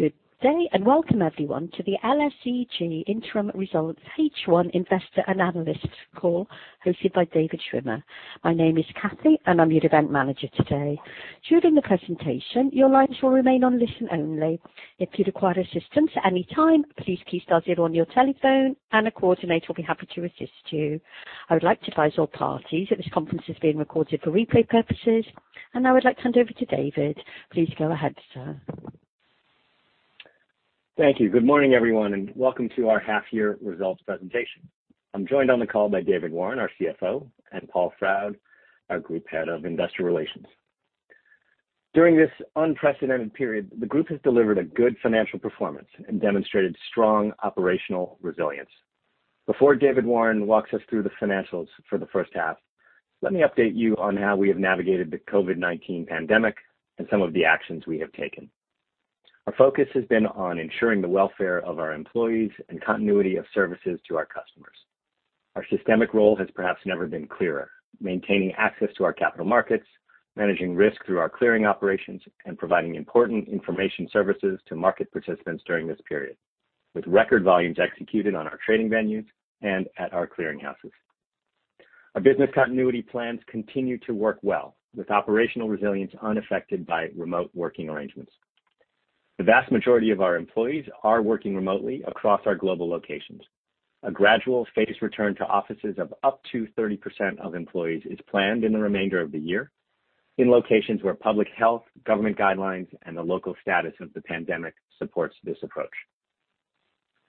Good day, and welcome everyone to the LSEG Interim Results H1 Investor and Analysts call hosted by David Schwimmer. My name is Cathy and I'm your event manager today. During the presentation, your lines will remain on listen-only. If you require assistance at any time, please key star zero on your telephone and a coordinator will be happy to assist you. I would like to advise all parties that this conference is being recorded for replay purposes, and I would like to hand over to David. Please go ahead, sir. Thank you. Good morning everyone, and welcome to our half-year results presentation. I'm joined on the call by David Warren, our CFO, and Paul Froud, our Group Head of Investor Relations. During this unprecedented period, the Group has delivered a good financial performance and demonstrated strong operational resilience. Before David Warren walks us through the financials for the first half, let me update you on how we have navigated the COVID-19 pandemic and some of the actions we have taken. Our focus has been on ensuring the welfare of our employees and continuity of services to our customers. Our systemic role has perhaps never been clearer, maintaining access to our capital markets, managing risk through our clearing operations, and providing important information services to market participants during this period, with record volumes executed on our trading venues and at our clearing houses. Our business continuity plans continue to work well, with operational resilience unaffected by remote working arrangements. The vast majority of our employees are working remotely across our global locations. A gradual phased return to offices of up to 30% of employees is planned in the remainder of the year in locations where public health, government guidelines, and the local status of the pandemic supports this approach.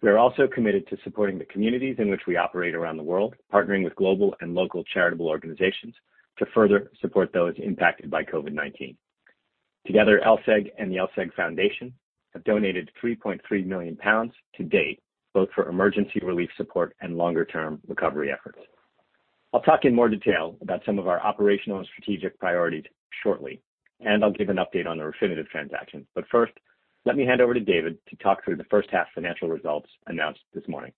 We are also committed to supporting the communities in which we operate around the world, partnering with global and local charitable organizations to further support those impacted by COVID-19. Together, LSEG and the LSEG Foundation have donated 3.3 million pounds to date, both for emergency relief support and longer-term recovery efforts. I'll talk in more detail about some of our operational and strategic priorities shortly, and I'll give an update on the Refinitiv transaction. First, let me hand over to David to talk through the first half financial results announced this morning.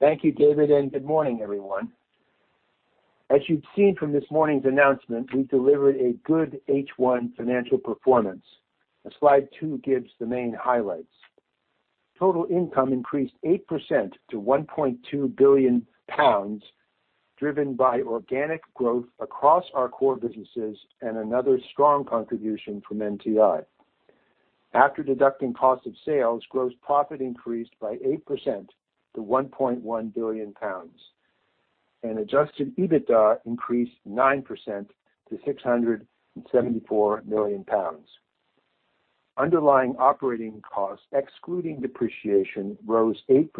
Thank you, David. Good morning everyone. As you've seen from this morning's announcement, we delivered a good H1 financial performance. Slide two gives the main highlights. Total income increased 8% to 1.2 billion pounds, driven by organic growth across our core businesses and another strong contribution from NTI. After deducting cost of sales, gross profit increased by 8% to 1.1 billion pounds. Adjusted EBITDA increased 9% to 674 million pounds. Underlying operating costs, excluding depreciation, rose 8%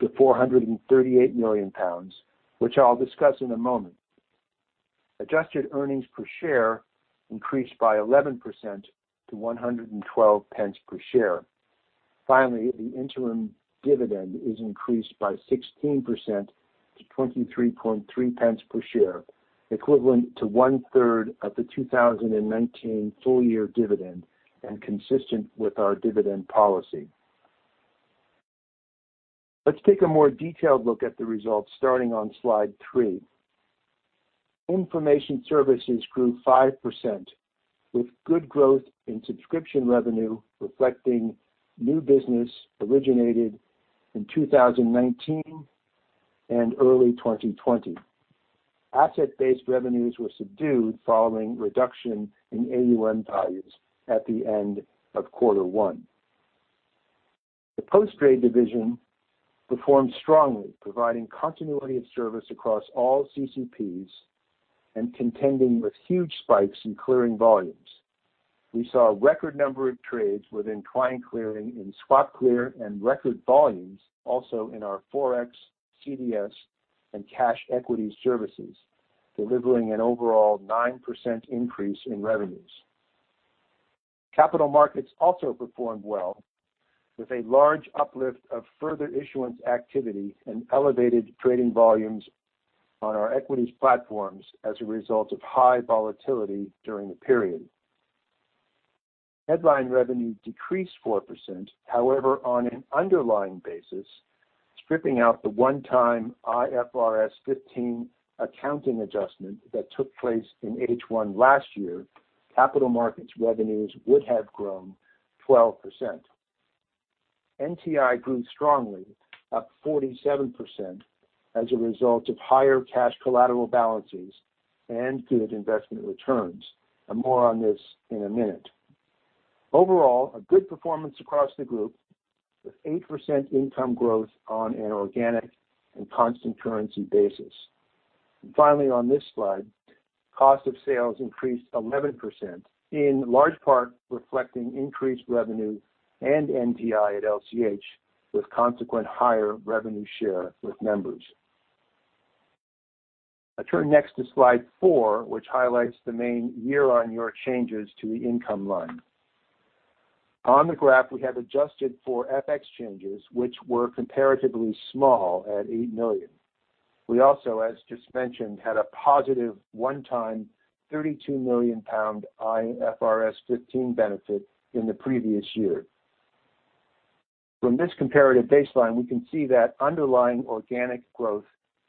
to 438 million pounds, which I'll discuss in a moment. Adjusted earnings per share increased by 11% to 1.12 per share. Finally, the interim dividend is increased by 16% to 0.233 per share, equivalent to one third of the 2019 full-year dividend and consistent with our dividend policy. Let's take a more detailed look at the results starting on slide three. Information services grew 5% with good growth in subscription revenue reflecting new business originated in 2019 and early 2020. Asset-based revenues were subdued following reduction in AUM values at the end of quarter one. The post-trade division performed strongly, providing continuity of service across all CCPs and contending with huge spikes in clearing volumes. We saw a record number of trades within client clearing in SwapClear and record volumes also in our forex, CDS, and cash equity services, delivering an overall 9% increase in revenues. Capital markets also performed well, with a large uplift of further issuance activity and elevated trading volumes on our equities platforms as a result of high volatility during the period. Headline revenue decreased 4%, however, on an underlying basis, stripping out the one-time IFRS 15 accounting adjustment that took place in H1 last year, capital markets revenues would have grown 12%. NTI grew strongly, up 47%, as a result of higher cash collateral balances and good investment returns. More on this in a minute. Overall, a good performance across the group with 8% income growth on an organic and constant currency basis. Finally on this slide, cost of sales increased 11%, in large part reflecting increased revenue and NTI at LCH with consequent higher revenue share with members. I turn next to slide four, which highlights the main year-on-year changes to the income line. On the graph, we have adjusted for FX changes, which were comparatively small at 8 million. We also, as just mentioned, had a positive one-time 32 million pound IFRS 15 benefit in the previous year. From this comparative baseline, we can see that underlying organic growth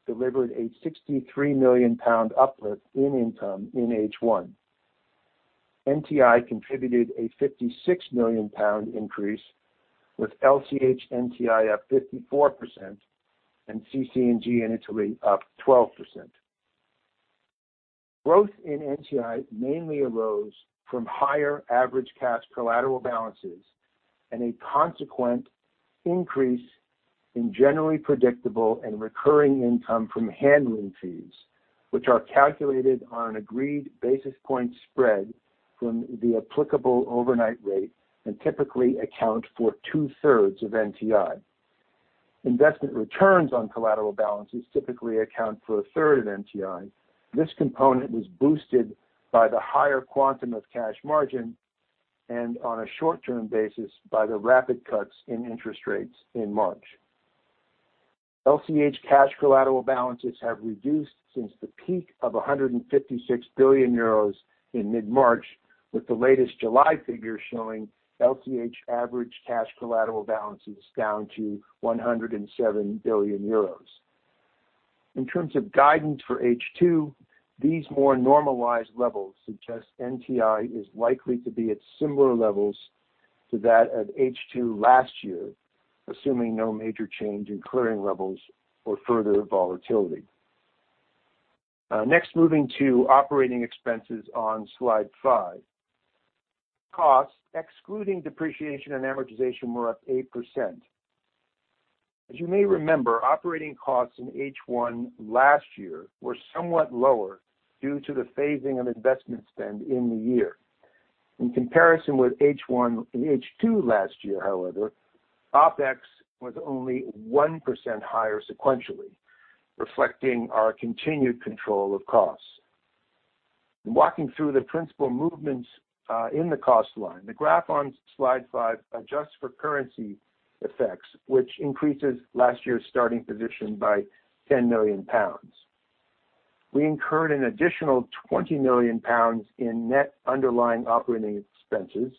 delivered a 63 million pound uplift in income in H1. NTI contributed a 56 million pound increase, with LCH NTI up 54% and CC&G in Italy up 12%. Growth in NTI mainly arose from higher average cash collateral balances and a consequent increase in generally predictable and recurring income from handling fees, which are calculated on an agreed basis-point spread from the applicable overnight-rate and typically account for two-thirds of NTI. Investment returns on collateral balances typically account for a third of NTI. This component was boosted by the higher quantum of cash-margin and, on a short-term basis, by the rapid cuts in interest rates in March. LCH cash collateral balances have reduced since the peak of 156 billion euros in mid-March, with the latest July figures showing LCH average cash collateral balances down to 107 billion euros. In terms of guidance for H2, these more normalized levels suggest NTI is likely to be at similar levels to that of H2 last year, assuming no major change in clearing levels or further volatility. Next, moving to operating expenses on slide five. Costs, excluding depreciation and amortization, were up 8%. As you may remember, operating costs in H1 last year were somewhat lower due to the phasing of investment spend in the year. In comparison with H2 last year, however, OpEx was only 1% higher sequentially, reflecting our continued control of costs. Walking through the principal movements in the cost line, the graph on slide five adjusts for currency effects, which increases last year's starting position by 10 million pounds. We incurred an additional 20 million pounds in net underlying operating expenses,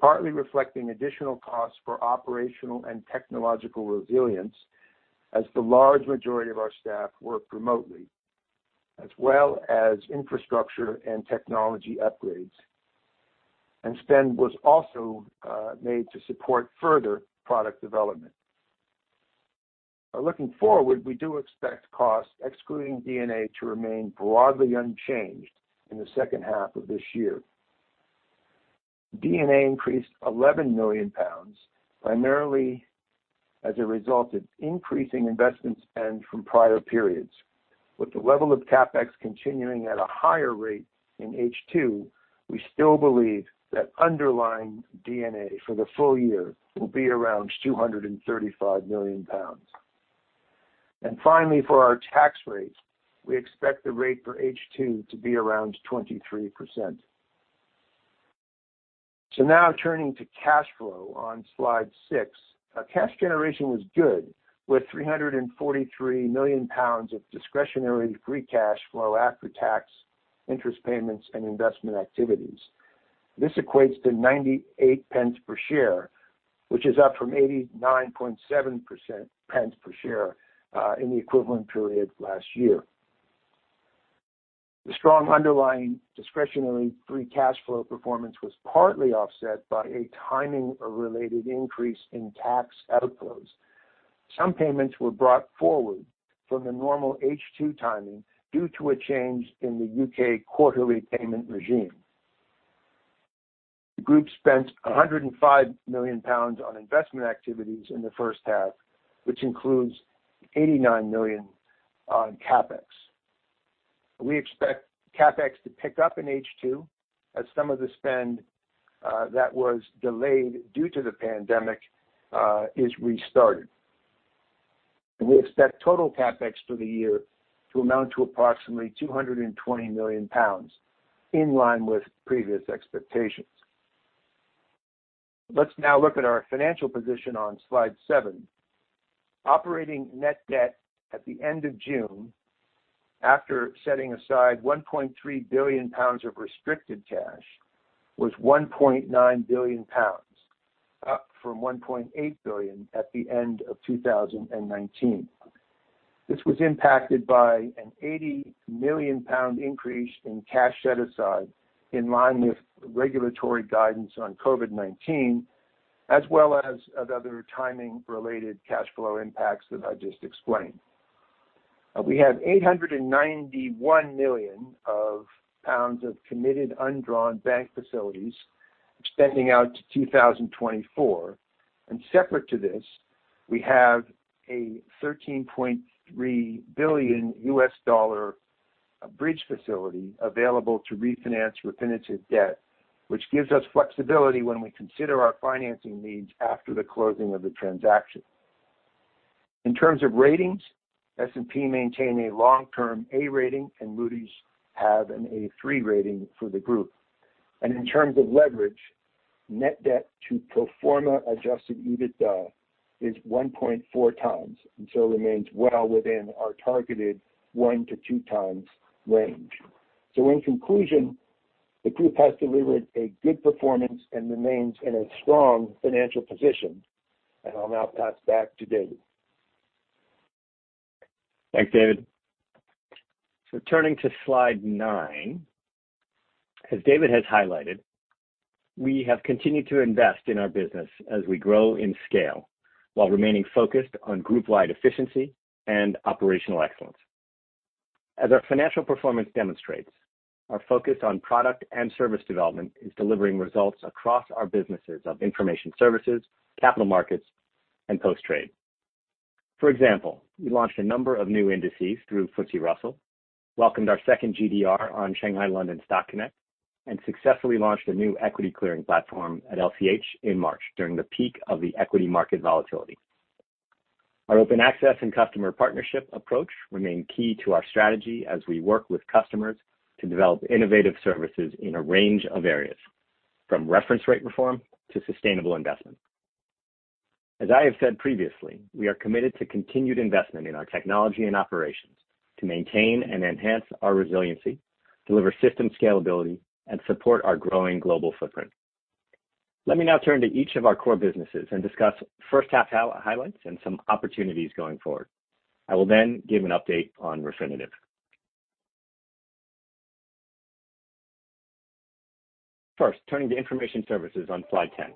partly reflecting additional costs for operational and technological resilience as the large majority of our staff work remotely, as well as infrastructure and technology upgrades. Spend was also made to support further product development. Looking forward, we do expect costs, excluding D&A, to remain broadly unchanged in the second half of this year. D&A increased 11 million pounds, primarily as a result of increasing investment spend from prior periods. With the level of CapEx continuing at a higher rate in H2, we still believe that underlying D&A for the full year will be around 235 million pounds. Finally, for our tax rate, we expect the rate for H2 to be around 23%. Now turning to cash flow on slide six. Cash generation was good, with 343 million pounds of discretionary free cash flow after tax, interest payments, and investment activities. This equates to 0.98 per share, which is up from 0.897 per share in the equivalent period last year. The strong underlying discretionary free cash flow performance was partly offset by a timing-related increase in tax outflows. Some payments were brought forward from the normal H2 timing due to a change in the U.K. quarterly payment regime. The group spent 105 million pounds on investment activities in the first half, which includes 89 million on CapEx. We expect CapEx to pick up in H2 as some of the spend that was delayed due to the pandemic is restarted. We expect total CapEx for the year to amount to approximately 220 million pounds, in line with previous expectations. Let's now look at our financial position on slide seven. Operating net debt at the end of June, after setting aside 1.3 billion pounds of restricted cash, was 1.9 billion pounds, up from 1.8 billion at the end of 2019. This was impacted by an 80 million pound increase in cash set aside in line with regulatory guidance on COVID-19, as well as other timing-related cash flow impacts that I just explained. We have 891 million pounds of committed undrawn bank facilities extending out to 2024. Separate to this, we have a $13.3 billion bridge facility available to refinance Refinitiv debt, which gives us flexibility when we consider our financing needs after the closing of the transaction. In terms of ratings, S&P maintain a long-term A rating. Moody's have an A3 rating for the group. In terms of leverage, net debt to pro forma adjusted EBITDA is 1.4x, and so remains well within our targeted 1x to 2x range. In conclusion. The Group has delivered a good performance and remains in a strong financial position. I'll now pass back to David. Thanks, David. Turning to slide nine. As David has highlighted, we have continued to invest in our business as we grow in scale while remaining focused on group-wide efficiency and operational excellence. As our financial performance demonstrates, our focus on product and service development is delivering results across our businesses of information services, capital markets, and post-trade. For example, we launched a number of new indices through FTSE Russell, welcomed our second GDR on Shanghai-London Stock Connect, and successfully launched a new equity clearing platform at LCH in March during the peak of the equity market volatility. Our open access and customer partnership approach remain key to our strategy as we work with customers to develop innovative services in a range of areas, from reference rate reform to sustainable investment. As I have said previously, we are committed to continued investment in our technology and operations to maintain and enhance our resiliency, deliver system scalability, and support our growing global footprint. Let me now turn to each of our core businesses and discuss first half highlights and some opportunities going forward. I will then give an update on Refinitiv. First, turning to Information Services on slide 10.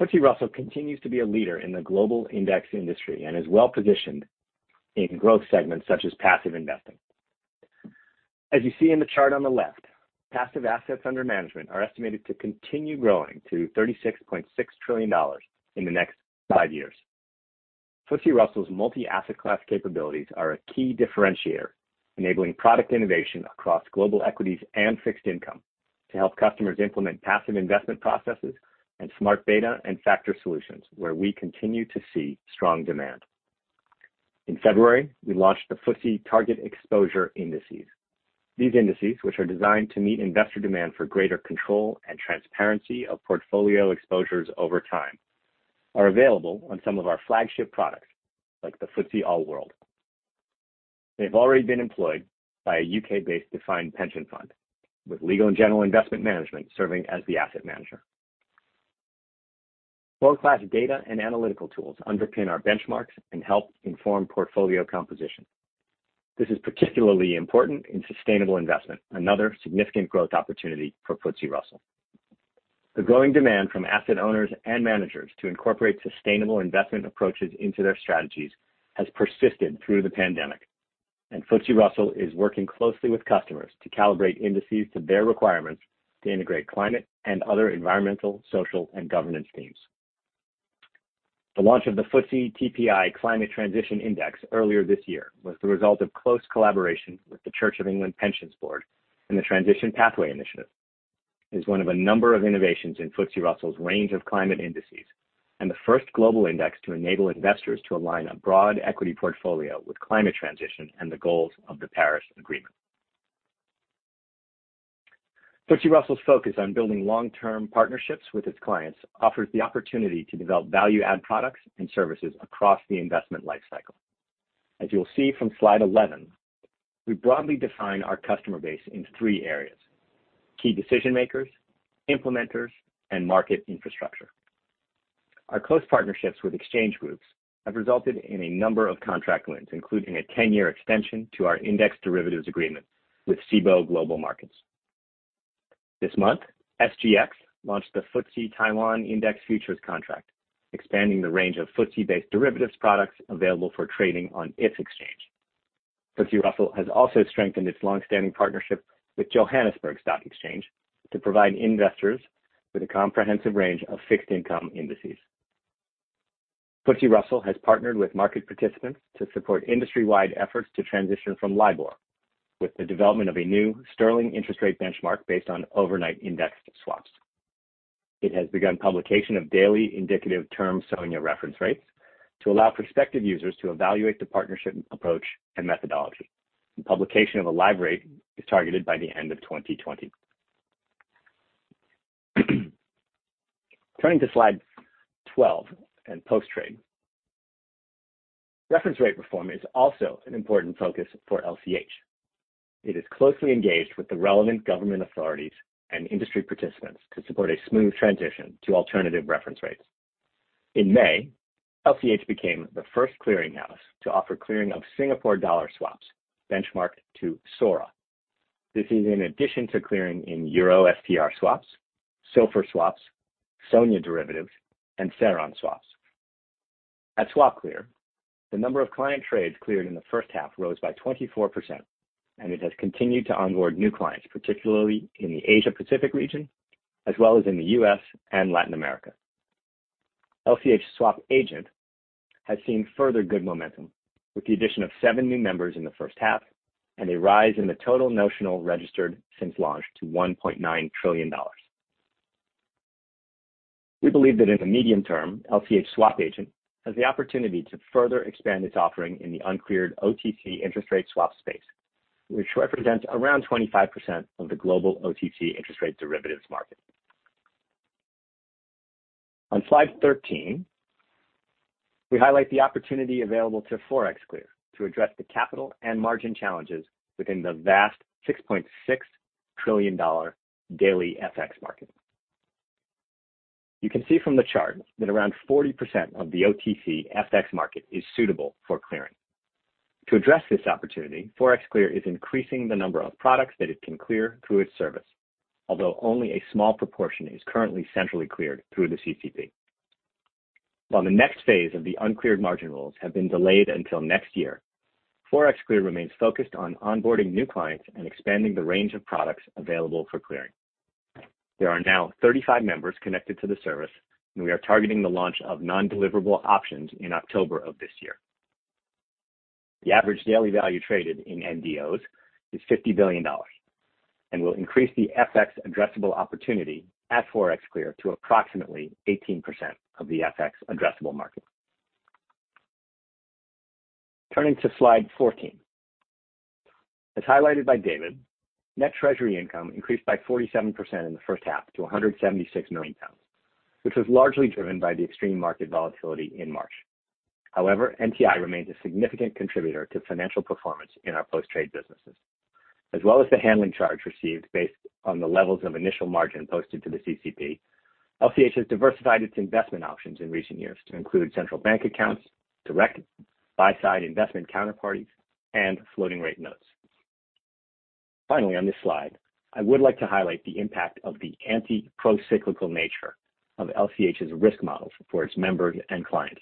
FTSE Russell continues to be a leader in the global index industry and is well-positioned in growth segments such as passive investing. As you see in the chart on the left, passive assets under management are estimated to continue growing to $36.6 trillion in the next five years. FTSE Russell's multi-asset class capabilities are a key differentiator, enabling product innovation across global equities and fixed income to help customers implement passive investment processes and smart beta and factor solutions where we continue to see strong demand. In February, we launched the FTSE Target Exposure Indices. These indices, which are designed to meet investor demand for greater control and transparency of portfolio exposures over time, are available on some of our flagship products, like the FTSE All-World. They've already been employed by a U.K.-based defined pension fund, with Legal & General Investment Management serving as the asset manager. World-class data and analytical tools underpin our benchmarks and help inform portfolio composition. This is particularly important in sustainable investment, another significant growth opportunity for FTSE Russell. The growing demand from asset owners and managers to incorporate sustainable investment approaches into their strategies has persisted through the pandemic, FTSE Russell is working closely with customers to calibrate indices to their requirements to integrate climate and other environmental, social, and governance themes. The launch of the FTSE TPI Climate Transition Index earlier this year was the result of close collaboration with the Church of England Pensions Board and the Transition Pathway Initiative. It is one of a number of innovations in FTSE Russell's range of climate indices and the first global index to enable investors to align a broad equity portfolio with climate transition and the goals of the Paris Agreement. FTSE Russell's focus on building long-term partnerships with its clients offers the opportunity to develop value-add products and services across the investment life cycle. As you'll see from slide 11, we broadly define our customer base in three areas: key decision makers, implementers, and market infrastructure. Our close partnerships with exchange groups have resulted in a number of contract wins, including a 10-year extension to our index derivatives agreement with Cboe Global Markets. This month, SGX launched the FTSE Taiwan Index Futures contract, expanding the range of FTSE-based derivatives products available for trading on its exchange. FTSE Russell has also strengthened its long-standing partnership with Johannesburg Stock Exchange to provide investors with a comprehensive range of fixed income indices. FTSE Russell has partnered with market participants to support industry-wide efforts to transition from LIBOR, with the development of a new sterling interest rate benchmark based on overnight indexed swaps. It has begun publication of daily indicative term SONIA reference rates to allow prospective users to evaluate the partnership approach and methodology. Publication of a live rate is targeted by the end of 2020. Turning to slide 12 and post-trade. Reference rate reform is also an important focus for LCH. It is closely engaged with the relevant government authorities and industry participants to support a smooth transition to alternative reference rates. In May, LCH became the first clearing house to offer clearing of Singapore dollar swaps benchmarked to SORA. This is in addition to clearing in €STR swaps, SOFR swaps, SONIA derivatives, and SARON swaps. At SwapClear, the number of client trades cleared in the first half rose by 24%, and it has continued to onboard new clients, particularly in the Asia-Pacific region, as well as in the U.S. and Latin America. LCH SwapAgent has seen further good momentum with the addition of seven new members in the first half and a rise in the total notional registered since launch to $1.9 trillion. We believe that in the medium-term, LCH SwapAgent has the opportunity to further expand its offering in the uncleared OTC interest rate swap space, which represents around 25% of the global OTC interest rate derivatives market. On slide 13, we highlight the opportunity available to ForexClear to address the capital and margin challenges within the vast $6.6 trillion daily FX market. You can see from the chart that around 40% of the OTC FX market is suitable for clearing. To address this opportunity, ForexClear is increasing the number of products that it can clear through its service, although only a small proportion is currently centrally cleared through the CCP. While the next phase of the uncleared margin rules have been delayed until next year, ForexClear remains focused on onboarding new clients and expanding the range of products available for clearing. There are now 35 members connected to the service, We are targeting the launch of non-deliverable options in October of this year. The average daily value traded in NDOs is $50 billion It will increase the FX addressable opportunity at ForexClear to approximately 18% of the FX addressable market. Turning to slide 14. As highlighted by David, net treasury income increased by 47% in the first half to 176 million pounds, which was largely driven by the extreme market volatility in March. NTI remains a significant contributor to financial performance in our post-trade businesses. As well as the handling charge received based on the levels of initial margin posted to the CCP, LCH has diversified its investment options in recent years to include central bank accounts, direct buy-side investment counterparties, and floating rate notes. Finally, on this slide, I would like to highlight the impact of the anti-procyclical nature of LCH's risk models for its members and clients,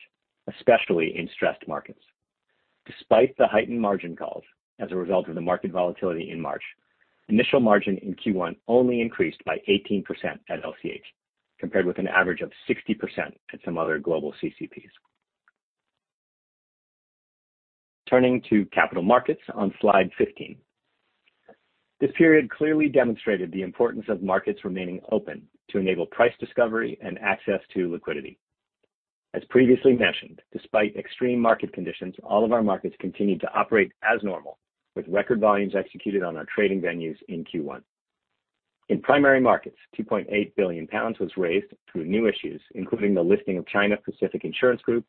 especially in stressed markets. Despite the heightened margin calls as a result of the market volatility in March, initial margin in Q1 only increased by 18% at LCH, compared with an average of 60% at some other global CCPs. Turning to capital markets on Slide 15. This period clearly demonstrated the importance of markets remaining open to enable price discovery and access to liquidity. As previously mentioned, despite extreme market conditions, all of our markets continued to operate as normal, with record volumes executed on our trading venues in Q1. In primary markets, 2.8 billion pounds was raised through new issues, including the listing of China Pacific Insurance Group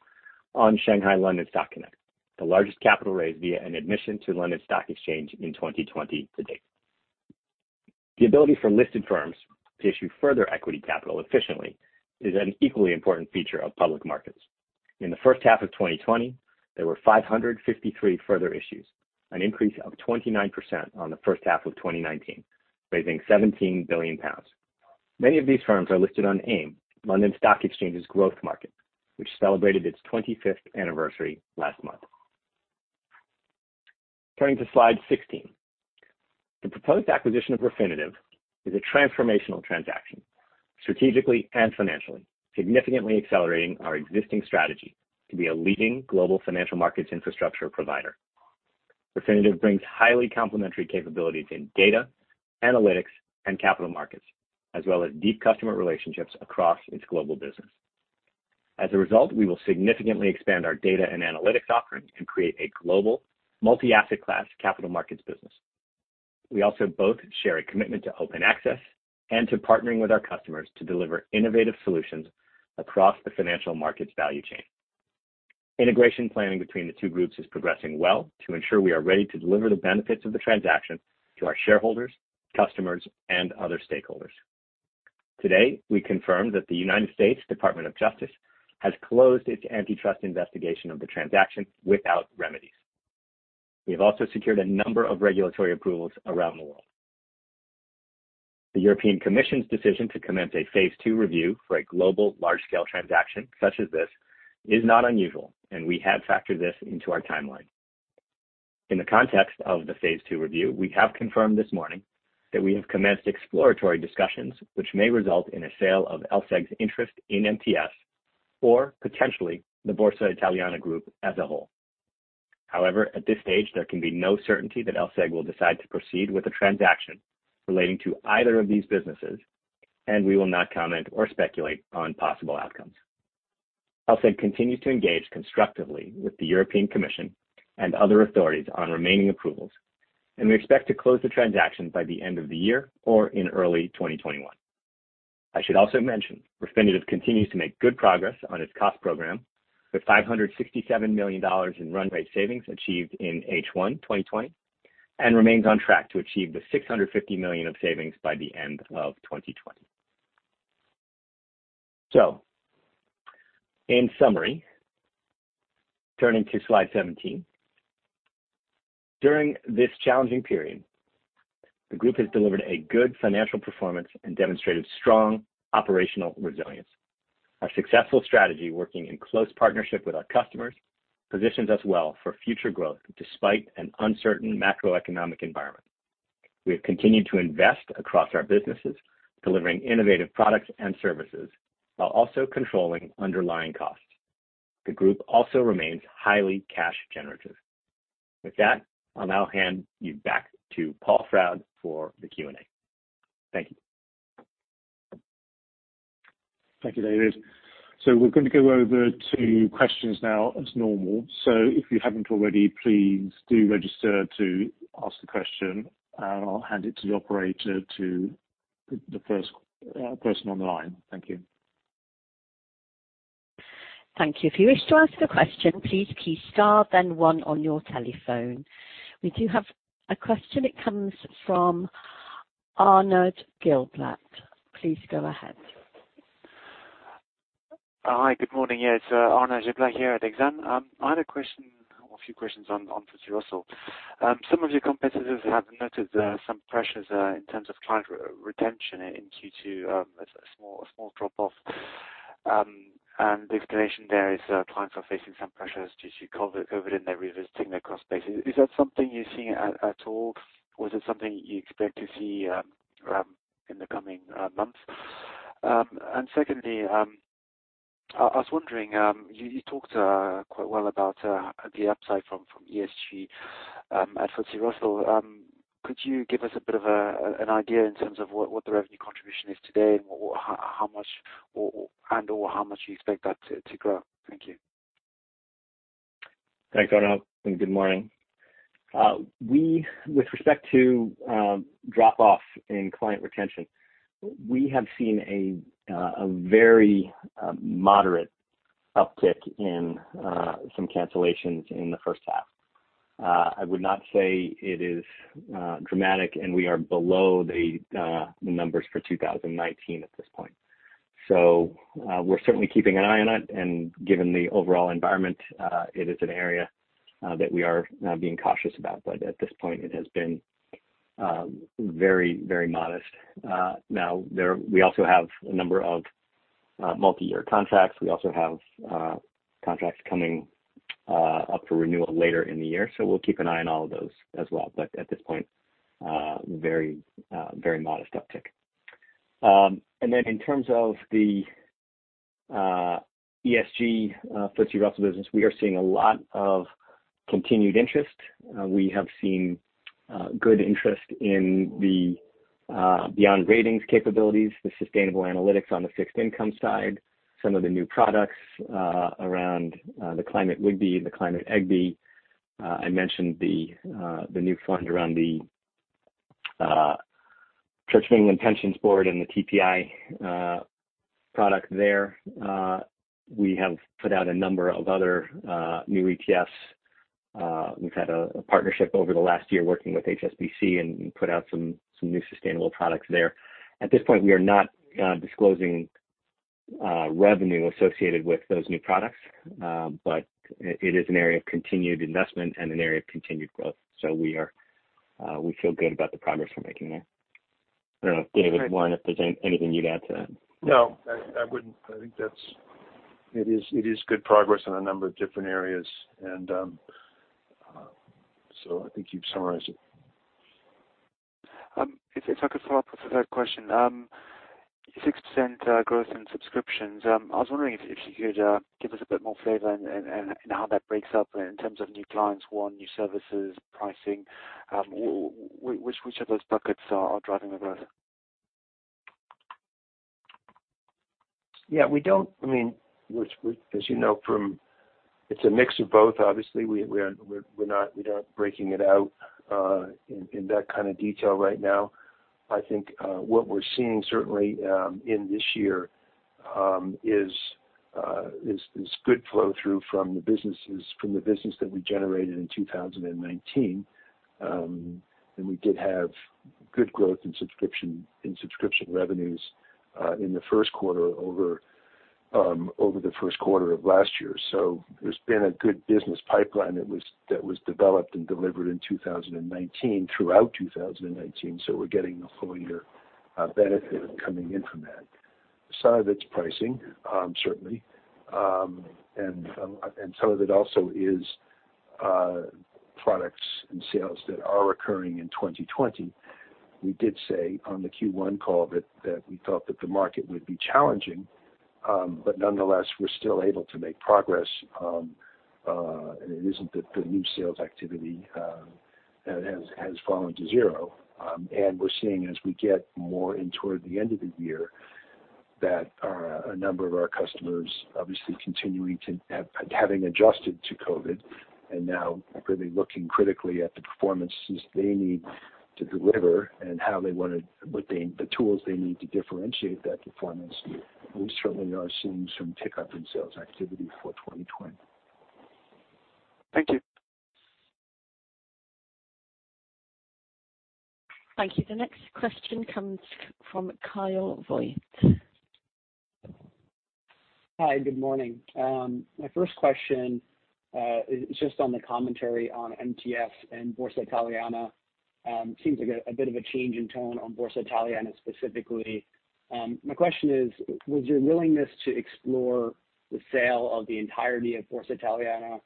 on Shanghai-London Stock Connect, the largest capital raise via an admission to the London Stock Exchange in 2020 to date. The ability for listed firms to issue further equity capital efficiently is an equally important feature of public markets. In the first half of 2020, there were 553 further issues, an increase of 29% on the first half of 2019, raising 17 billion pounds. Many of these firms are listed on AIM, London Stock Exchange's growth market, which celebrated its 25th anniversary last month. Turning to slide 16. The proposed acquisition of Refinitiv is a transformational transaction, strategically and financially, significantly accelerating our existing strategy to be a leading global financial markets infrastructure provider. Refinitiv brings highly complementary capabilities in data, analytics, and capital markets, as well as deep customer relationships across its global business. As a result, we will significantly expand our data and analytics offering and create a global multi-asset class capital markets business. We also both share a commitment to open access and to partnering with our customers to deliver innovative solutions across the financial markets value chain. Integration planning between the two groups is progressing well to ensure we are ready to deliver the benefits of the transaction to our shareholders, customers, and other stakeholders. Today, we confirm that the United States Department of Justice has closed its antitrust investigation of the transaction without remedies. We have also secured a number of regulatory approvals around the world. The European Commission's decision to commence a Phase II review for a global large-scale transaction such as this is not unusual, and we have factored this into our timeline. In the context of the Phase II review, we have confirmed this morning that we have commenced exploratory discussions which may result in a sale of LSEG's interest in MTS, or potentially the Borsa Italiana group as a whole. At this stage, there can be no certainty that LSEG will decide to proceed with a transaction relating to either of these businesses, and we will not comment or speculate on possible outcomes. LSEG continues to engage constructively with the European Commission and other authorities on remaining approvals, and we expect to close the transaction by the end of the year or in early 2021. I should also mention, Refinitiv continues to make good progress on its cost program, with $567 million in run rate savings achieved in H1 2020, and remains on track to achieve the $650 million of savings by the end of 2020. In summary, turning to slide 17. During this challenging period, the Group has delivered a good financial performance and demonstrated strong operational resilience. Our successful strategy, working in close partnership with our customers, positions us well for future growth despite an uncertain macroeconomic environment. We have continued to invest across our businesses, delivering innovative products and services while also controlling underlying costs. The group also remains highly cash generative. With that, I'll now hand you back to Paul Froud for the Q&A. Thank you. Thank you, David. We're going to go over to questions now as normal. If you haven't already, please do register to ask the question. I'll hand it to the operator to the first person on the line. Thank you. Thank you. If you wish to ask a question, please key star then one on your telephone. We do have a question. It comes from Arnaud Giblat. Please go ahead. Hi. Good morning. It's Arnaud Giblat here at Exane. I had a question or a few questions for you, Russell. Some of your competitors have noted some pressures in terms of client retention in Q2, a small drop-off. The explanation there is clients are facing some pressures due to COVID-19, and they're revisiting their cost base. Is that something you're seeing at all, or is it something you expect to see in the coming months? Secondly, I was wondering, you talked quite well about the upside from ESG at FTSE Russell. Could you give us a bit of an idea in terms of what the revenue contribution is today, and/or how much you expect that to grow? Thank you. Thanks, Arnaud, and good morning. With respect to drop-off in client retention, we have seen a very moderate uptick in some cancellations in the first half. I would not say it is dramatic. We are below the numbers for 2019 at this point. We're certainly keeping an eye on it, and given the overall environment, it is an area that we are being cautious about. At this point, it has been very modest. We also have a number of multi-year contracts. We also have contracts coming up for renewal later in the year. We'll keep an eye on all of those as well. At this point, very modest uptick. In terms of the ESG FTSE Russell business, we are seeing a lot of continued interest. We have seen good interest in the Beyond Ratings capabilities, the sustainable analytics on the fixed income side, some of the new products around the Climate WGBI, the Climate WGBI. I mentioned the new fund around the Church of England Pensions Board and the TPI product there. We have put out a number of other new ETFs. We've had a partnership over the last year working with HSBC, and we put out some new sustainable products there. At this point, we are not disclosing revenue associated with those new products. It is an area of continued investment and an area of continued growth. We feel good about the progress we're making there. I don't know, David Warren, if there's anything you'd add to that. No, I wouldn't. I think it is good progress in a number of different areas. I think you've summarized it. If I could follow up with a third question. 6% growth in subscriptions. I was wondering if you could give us a bit more flavor in how that breaks up in terms of new clients, new services, pricing. Which of those buckets are driving the growth? As you know, it's a mix of both, obviously. We aren't breaking it out in that kind of detail right now. I think what we're seeing certainly in this year is good flow-through from the business that we generated in 2019. We did have good growth in subscription revenues in the first quarter over the first quarter of last year. There's been a good business pipeline that was developed and delivered in 2019, throughout 2019. We're getting a full year benefit coming in from that. Some of it's pricing, certainly, and some of it also is products and sales that are occurring in 2020. We did say on the Q1 call that we thought that the market would be challenging. Nonetheless, we're still able to make progress. It isn't that the new sales activity has fallen to zero. We're seeing as we get more in toward the end of the year, that a number of our customers, obviously continuing to having adjusted to COVID, and now really looking critically at the performances they need to deliver and the tools they need to differentiate that performance. We certainly are seeing some tick-up in sales activity for 2020. Thank you. Thank you. The next question comes from Kyle Voigt. Hi, good morning. My first question is just on the commentary on MTS and Borsa Italiana. Seems like a bit of a change in tone on Borsa Italiana specifically. My question is, was your willingness to explore the sale of the entirety of Borsa Italiana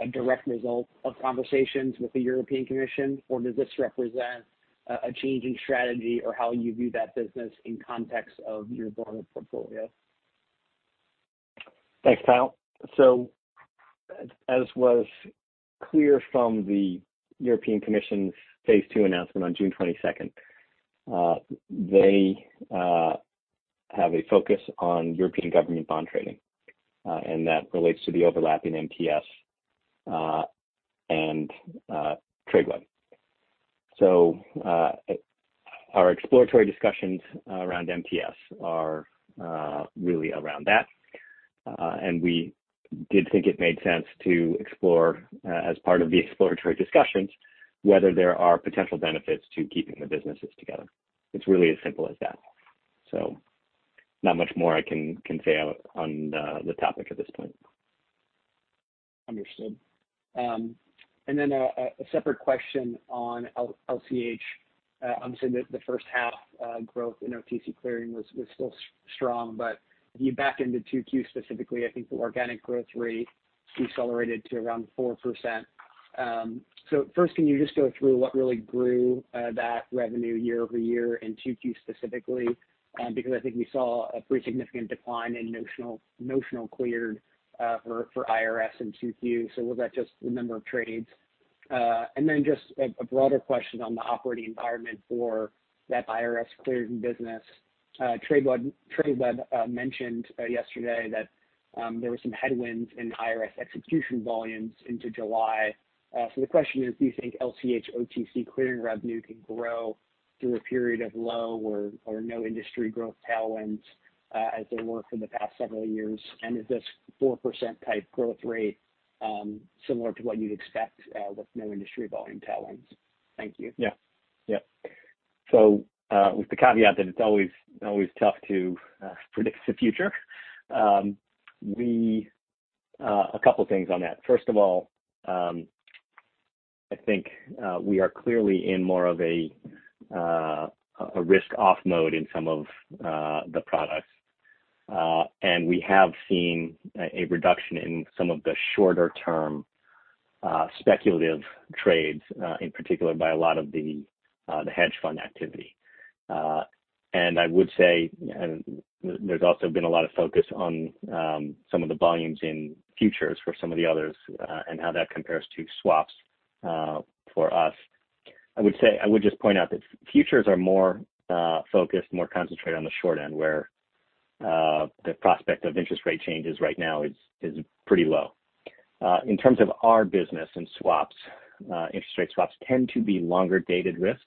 a direct result of conversations with the European Commission, or does this represent a change in strategy or how you view that business in context of your broader portfolio? Thanks, Kyle. As was clear from the European Commission's phase two announcement on June 22nd, they have a focus on European government bond trading. That relates to the overlapping MTS and Tradeweb. Our exploratory discussions around MTS are really around that, and we did think it made sense to explore as part of the exploratory discussions whether there are potential benefits to keeping the businesses together. It's really as simple as that. Not much more I can say on the topic at this point. Understood. A separate question on LCH. Obviously, the first half growth in OTC clearing was still strong, if you back into 2Q specifically, I think the organic growth rate decelerated to around 4%. First, can you just go through what really grew that revenue year-over-year in 2Q specifically? Because I think we saw a pretty significant decline in notional cleared for IRS in 2Q. Was that just the number of trades? Just a broader question on the operating environment for that IRS cleared and business. Tradeweb mentioned yesterday that there were some headwinds in IRS execution volumes into July. The question is, do you think LCH OTC clearing revenue can grow through a period of low or no industry growth tailwinds as they were for the past several years? Is this 4% type growth rate similar to what you'd expect with no industry volume tailwinds? Thank you. Yeah. With the caveat that it's always tough to predict the future, a couple of things on that. First of all, I think we are clearly in more of a risk-off mode in some of the products. We have seen a reduction in some of the shorter-term speculative trades, in particular, by a lot of the hedge fund activity. I would say there's also been a lot of focus on some of the volumes in futures for some of the others and how that compares to swaps for us. I would just point out that futures are more focused, more concentrated on the short end, where the prospect of interest rate changes right now is pretty low. In terms of our business and swaps, interest rate swaps tend to be longer-dated risk,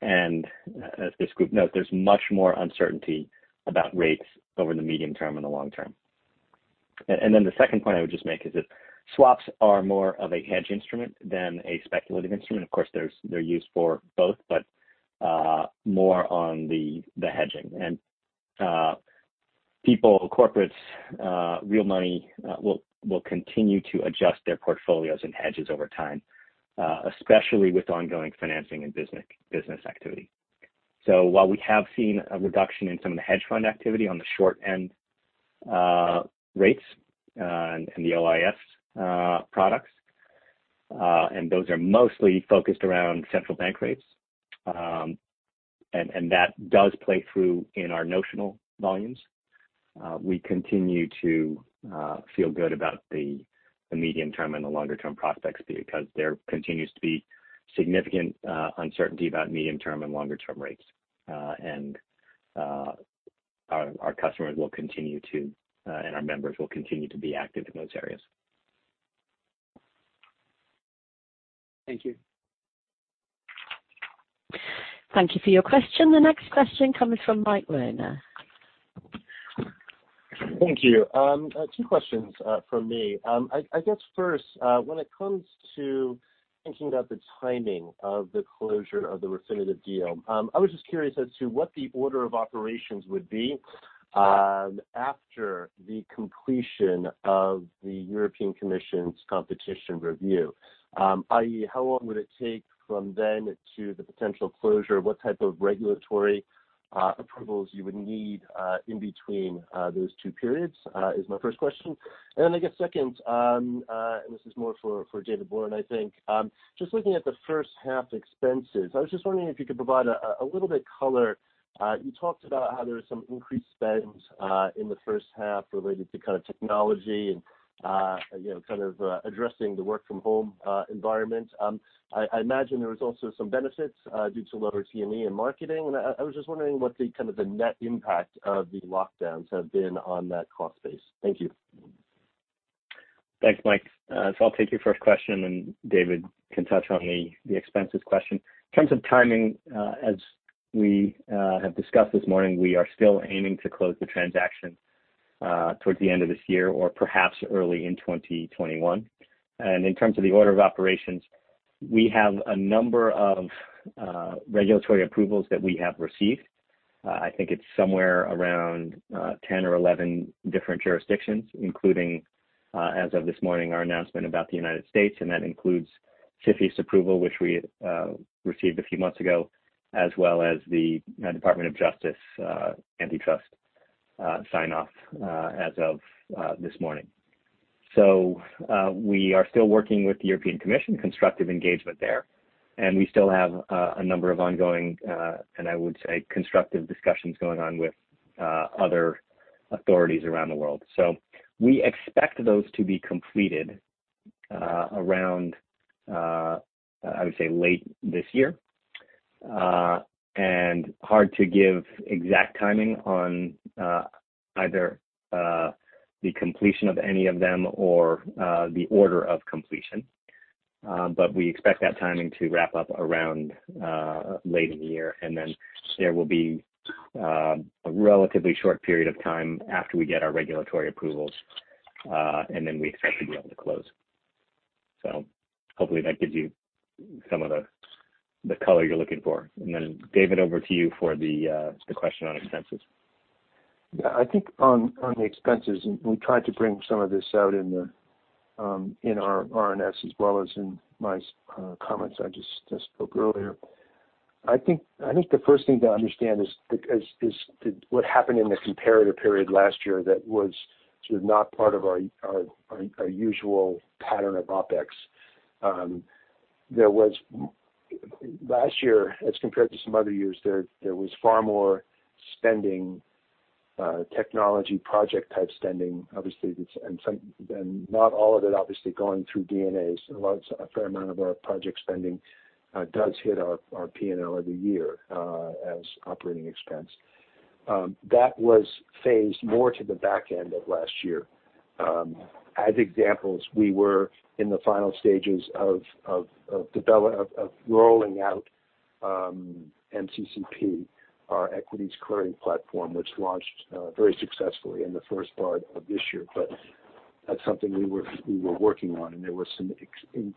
and as this group notes, there's much more uncertainty about rates over the medium-term and the long-term. The second point I would just make is that swaps are more of a hedge instrument than a speculative instrument. Of course, they're used for both, but more on the hedging. People, corporates, real money will continue to adjust their portfolios and hedges over time, especially with ongoing financing and business activity. While we have seen a reduction in some of the hedge fund activity on the short-end rates and the OIS products, and those are mostly focused around central bank rates, and that does play through in our notional volumes. We continue to feel good about the medium-term and the longer-term prospects because there continues to be significant uncertainty about medium-term and longer-term rates. Our customers and our members will continue to be active in those areas. Thank you. Thank you for your question. The next question comes from Michael Werner. Thank you. Two questions from me. I guess first, when it comes to thinking about the timing of the closure of the Refinitiv deal, I was just curious as to what the order of operations would be after the completion of the European Commission's competition review, i.e., how long would it take from then to the potential closure? What type of regulatory approvals you would need in between those two periods? Is my first question. Then I guess second, and this is more for David Warren, I think. Just looking at the first-half expenses, I was just wondering if you could provide a little bit color. You talked about how there was some increased spends in the first half related to kind of technology and kind of addressing the work-from-home environment. I imagine there was also some benefits due to lower T&E and marketing, and I was just wondering what the kind of the net impact of the lockdowns have been on that cost base. Thank you. Thanks, Mike. I'll take your first question, and David can touch on the expenses question. In terms of timing, as we have discussed this morning, we are still aiming to close the transaction towards the end of this year or perhaps early in 2021. In terms of the order of operations, we have a number of regulatory approvals that we have received. I think it's somewhere around 10 or 11 different jurisdictions, including, as of this morning, our announcement about the U.S., and that includes CFIUS approval, which we received a few months ago, as well as the United States Department of Justice antitrust sign-off as of this morning. We are still working with the European Commission, constructive engagement there. We still have a number of ongoing, and I would say, constructive discussions going on with other authorities around the world. We expect those to be completed around, I would say, late this year. Hard to give exact timing on either the completion of any of them or the order of completion. We expect that timing to wrap up around late in the year, and then there will be a relatively short period of time after we get our regulatory approvals, and then we expect to be able to close. Hopefully that gives you some of the color you're looking for. Then David, over to you for the question on expenses. Yeah, I think on the expenses, we tried to bring some of this out in our RNS as well as in my comments I just spoke earlier. I think the first thing to understand is what happened in the comparator period last year that was sort of not part of our usual pattern of OpEx. Last year, as compared to some other years, there was far more spending, technology project-type spending, obviously, and not all of it obviously going through D&A. A fair amount of our project spending does hit our P&L every year as operating expense. That was phased more to the back end of last year. As examples, we were in the final stages of rolling out MCCP, our equities clearing platform, which launched very successfully in the first part of this year. That's something we were working on, and there was some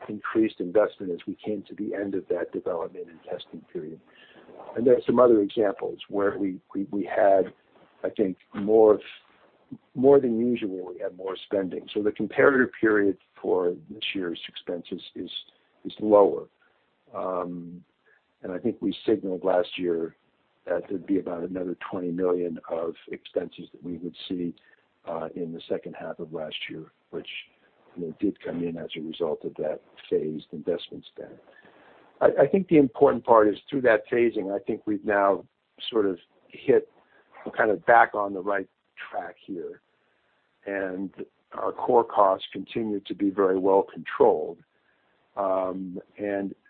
increased investment as we came to the end of that development and testing period. There are some other examples where we had, I think, more than usual, we had more spending. The comparator period for this year's expenses is lower. I think we signaled last year that there'd be about another 20 million of expenses that we would see in the second half of last year, which did come in as a result of that phased investment spend. The important part is through that phasing, I think we've now sort of hit kind of back on the right track here, and our core costs continue to be very well controlled.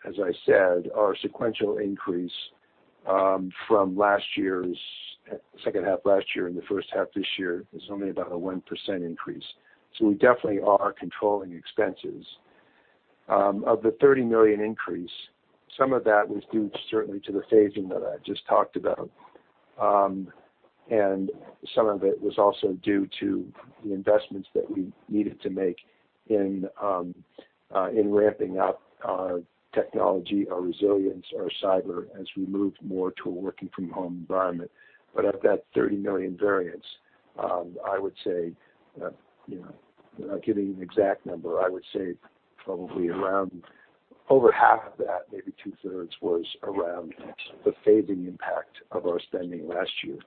As I said, our sequential increase from second half last year and the first half this year is only about a 1% increase. We definitely are controlling expenses. Of the 30 million increase, some of that was due certainly to the phasing that I just talked about. Some of it was also due to the investments that we needed to make in ramping up our technology, our resilience, our cyber as we moved more to a working from home environment. Of that 30 million variance, I would say, without giving you an exact number, I would say probably around over half of that, maybe two-thirds, was around the phasing impact of our spending last year.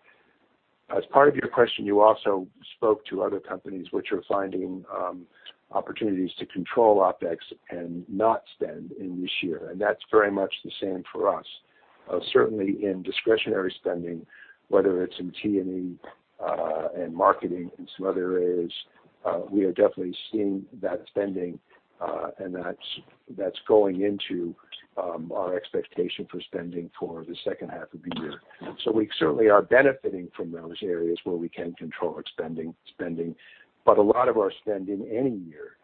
As part of your question, you also spoke to other companies which are finding opportunities to control OpEx and not spend in this year, and that's very much the same for us. Certainly in discretionary spending, whether it's in T&E and marketing and some other areas, we are definitely seeing that spending. That's going into our expectation for spending for the second half of the year. We certainly are benefiting from those areas where we can control spending. A lot of our spend in any year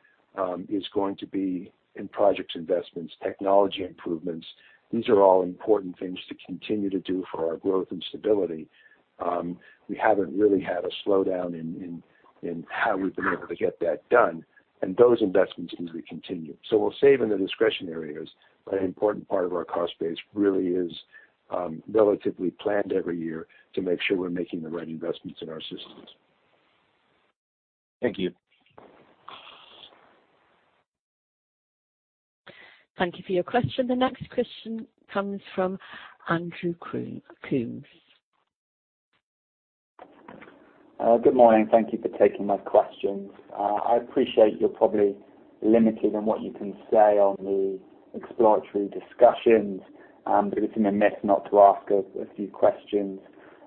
is going to be in projects, investments, technology improvements. These are all important things to continue to do for our growth and stability. We haven't really had a slowdown in how we've been able to get that done. Those investments usually continue. We'll save in the discretionary areas. An important part of our cost base really is relatively planned every year to make sure we're making the right investments in our systems. Thank you. Thank you for your question. The next question comes from Andrew Coombs. Good morning. Thank you for taking my questions. I appreciate you're probably limited in what you can say on the exploratory discussions, but it's remiss not to ask a few questions.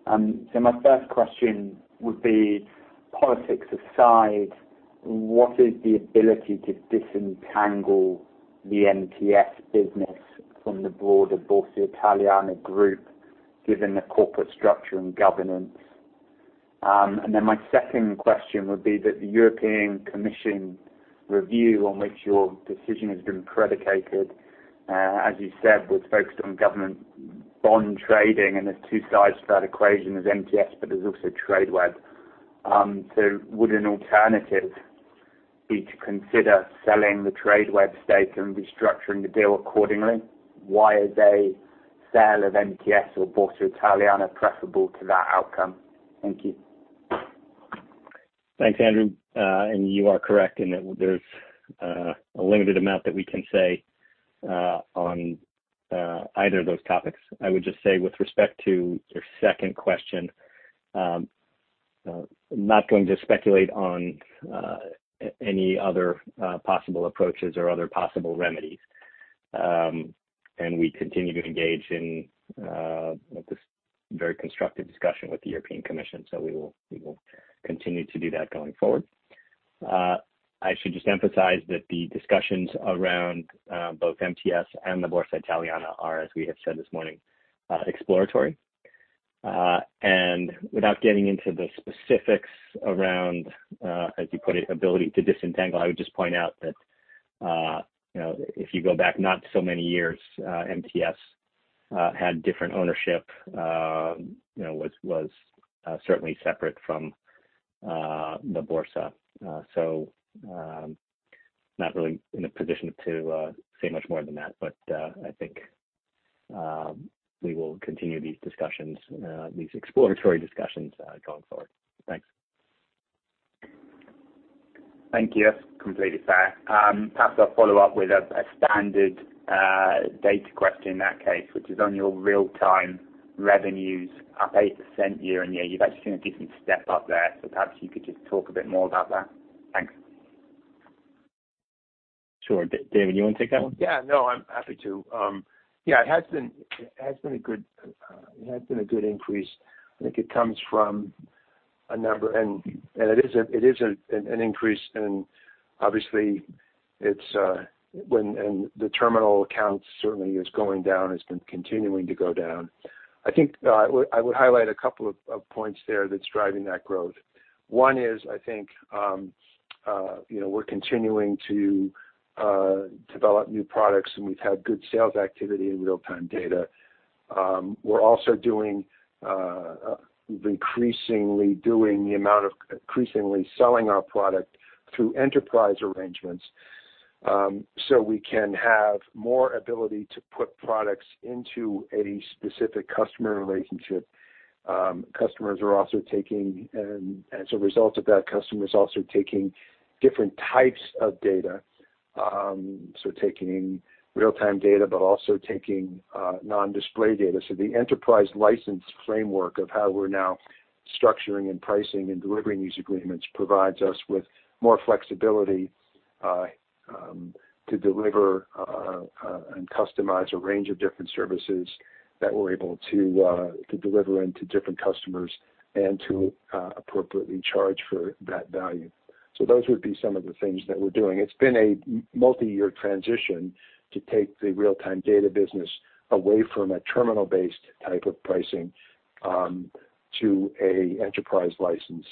My first question would be, politics aside, what is the ability to disentangle the MTS business from the broader Borsa Italiana Group, given the corporate structure and governance? My second question would be that the European Commission review on which your decision has been predicated, as you said, was focused on government bond trading, and there's two sides to that equation. There's MTS, but there's also Tradeweb. Would an alternative be to consider selling the Tradeweb stake and restructuring the deal accordingly? Why is a sale of MTS or Borsa Italiana preferable to that outcome? Thank you. Thanks, Andrew. You are correct in that there's a limited amount that we can say on either of those topics. I would just say with respect to your second question, I'm not going to speculate on any other possible approaches or other possible remedies. We continue to engage in this very constructive discussion with the European Commission. We will continue to do that going forward. I should just emphasize that the discussions around both MTS and the Borsa Italiana are, as we have said this morning, exploratory. Without getting into the specifics around, as you put it, ability to disentangle, I would just point out that if you go back not so many years, MTS had different ownership, was certainly separate from the Borsa. Not really in a position to say much more than that, but I think we will continue these exploratory discussions going forward. Thanks. Thank you. Completely fair. Perhaps I'll follow up with a standard data question in that case, which is on your real-time revenues up 8% year-over-year. You've actually seen a decent step up there. Perhaps you could just talk a bit more about that. Thanks. Sure. David, you want to take that one? Yeah, no, I'm happy to. Yeah, it has been a good increase. It is an increase in, obviously, the terminal ccounts certainly is going down, has been continuing to go down. I think I would highlight a couple of points there that's driving that growth. One is, I think, we're continuing to develop new products, and we've had good sales activity in real-time data. We're also increasingly selling our product through enterprise arrangements, so we can have more ability to put products into a specific customer relationship. As a result of that, customers are also taking different types of data. Taking real-time data, but also taking non-display data. The enterprise license framework of how we're now structuring and pricing and delivering these agreements provides us with more flexibility to deliver and customize a range of different services that we're able to deliver into different customers and to appropriately charge for that value. Those would be some of the things that we're doing. It's been a multi-year transition to take the real-time data business away from a terminal-based type of pricing to an enterprise license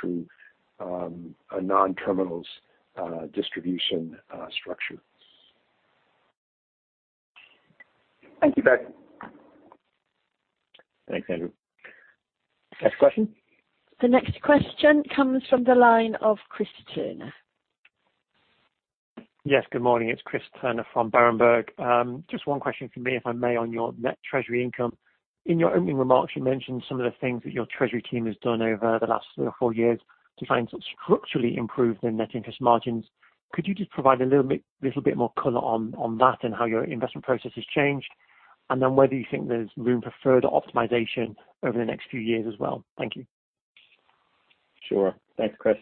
through a non-terminals distribution structure. Thank you, both. Thanks, Andrew. Next question. The next question comes from the line of Chris Turner. Yes, good morning. It's Chris Turner from Berenberg. Just one question from me, if I may, on your net treasury income. In your opening remarks, you mentioned some of the things that your treasury team has done over the last three or four years to try and structurally improve their net interest margins. Could you just provide a little bit more color on that and how your investment process has changed? Whether you think there's room for further optimization over the next few years as well. Thank you. Sure. Thanks, Chris.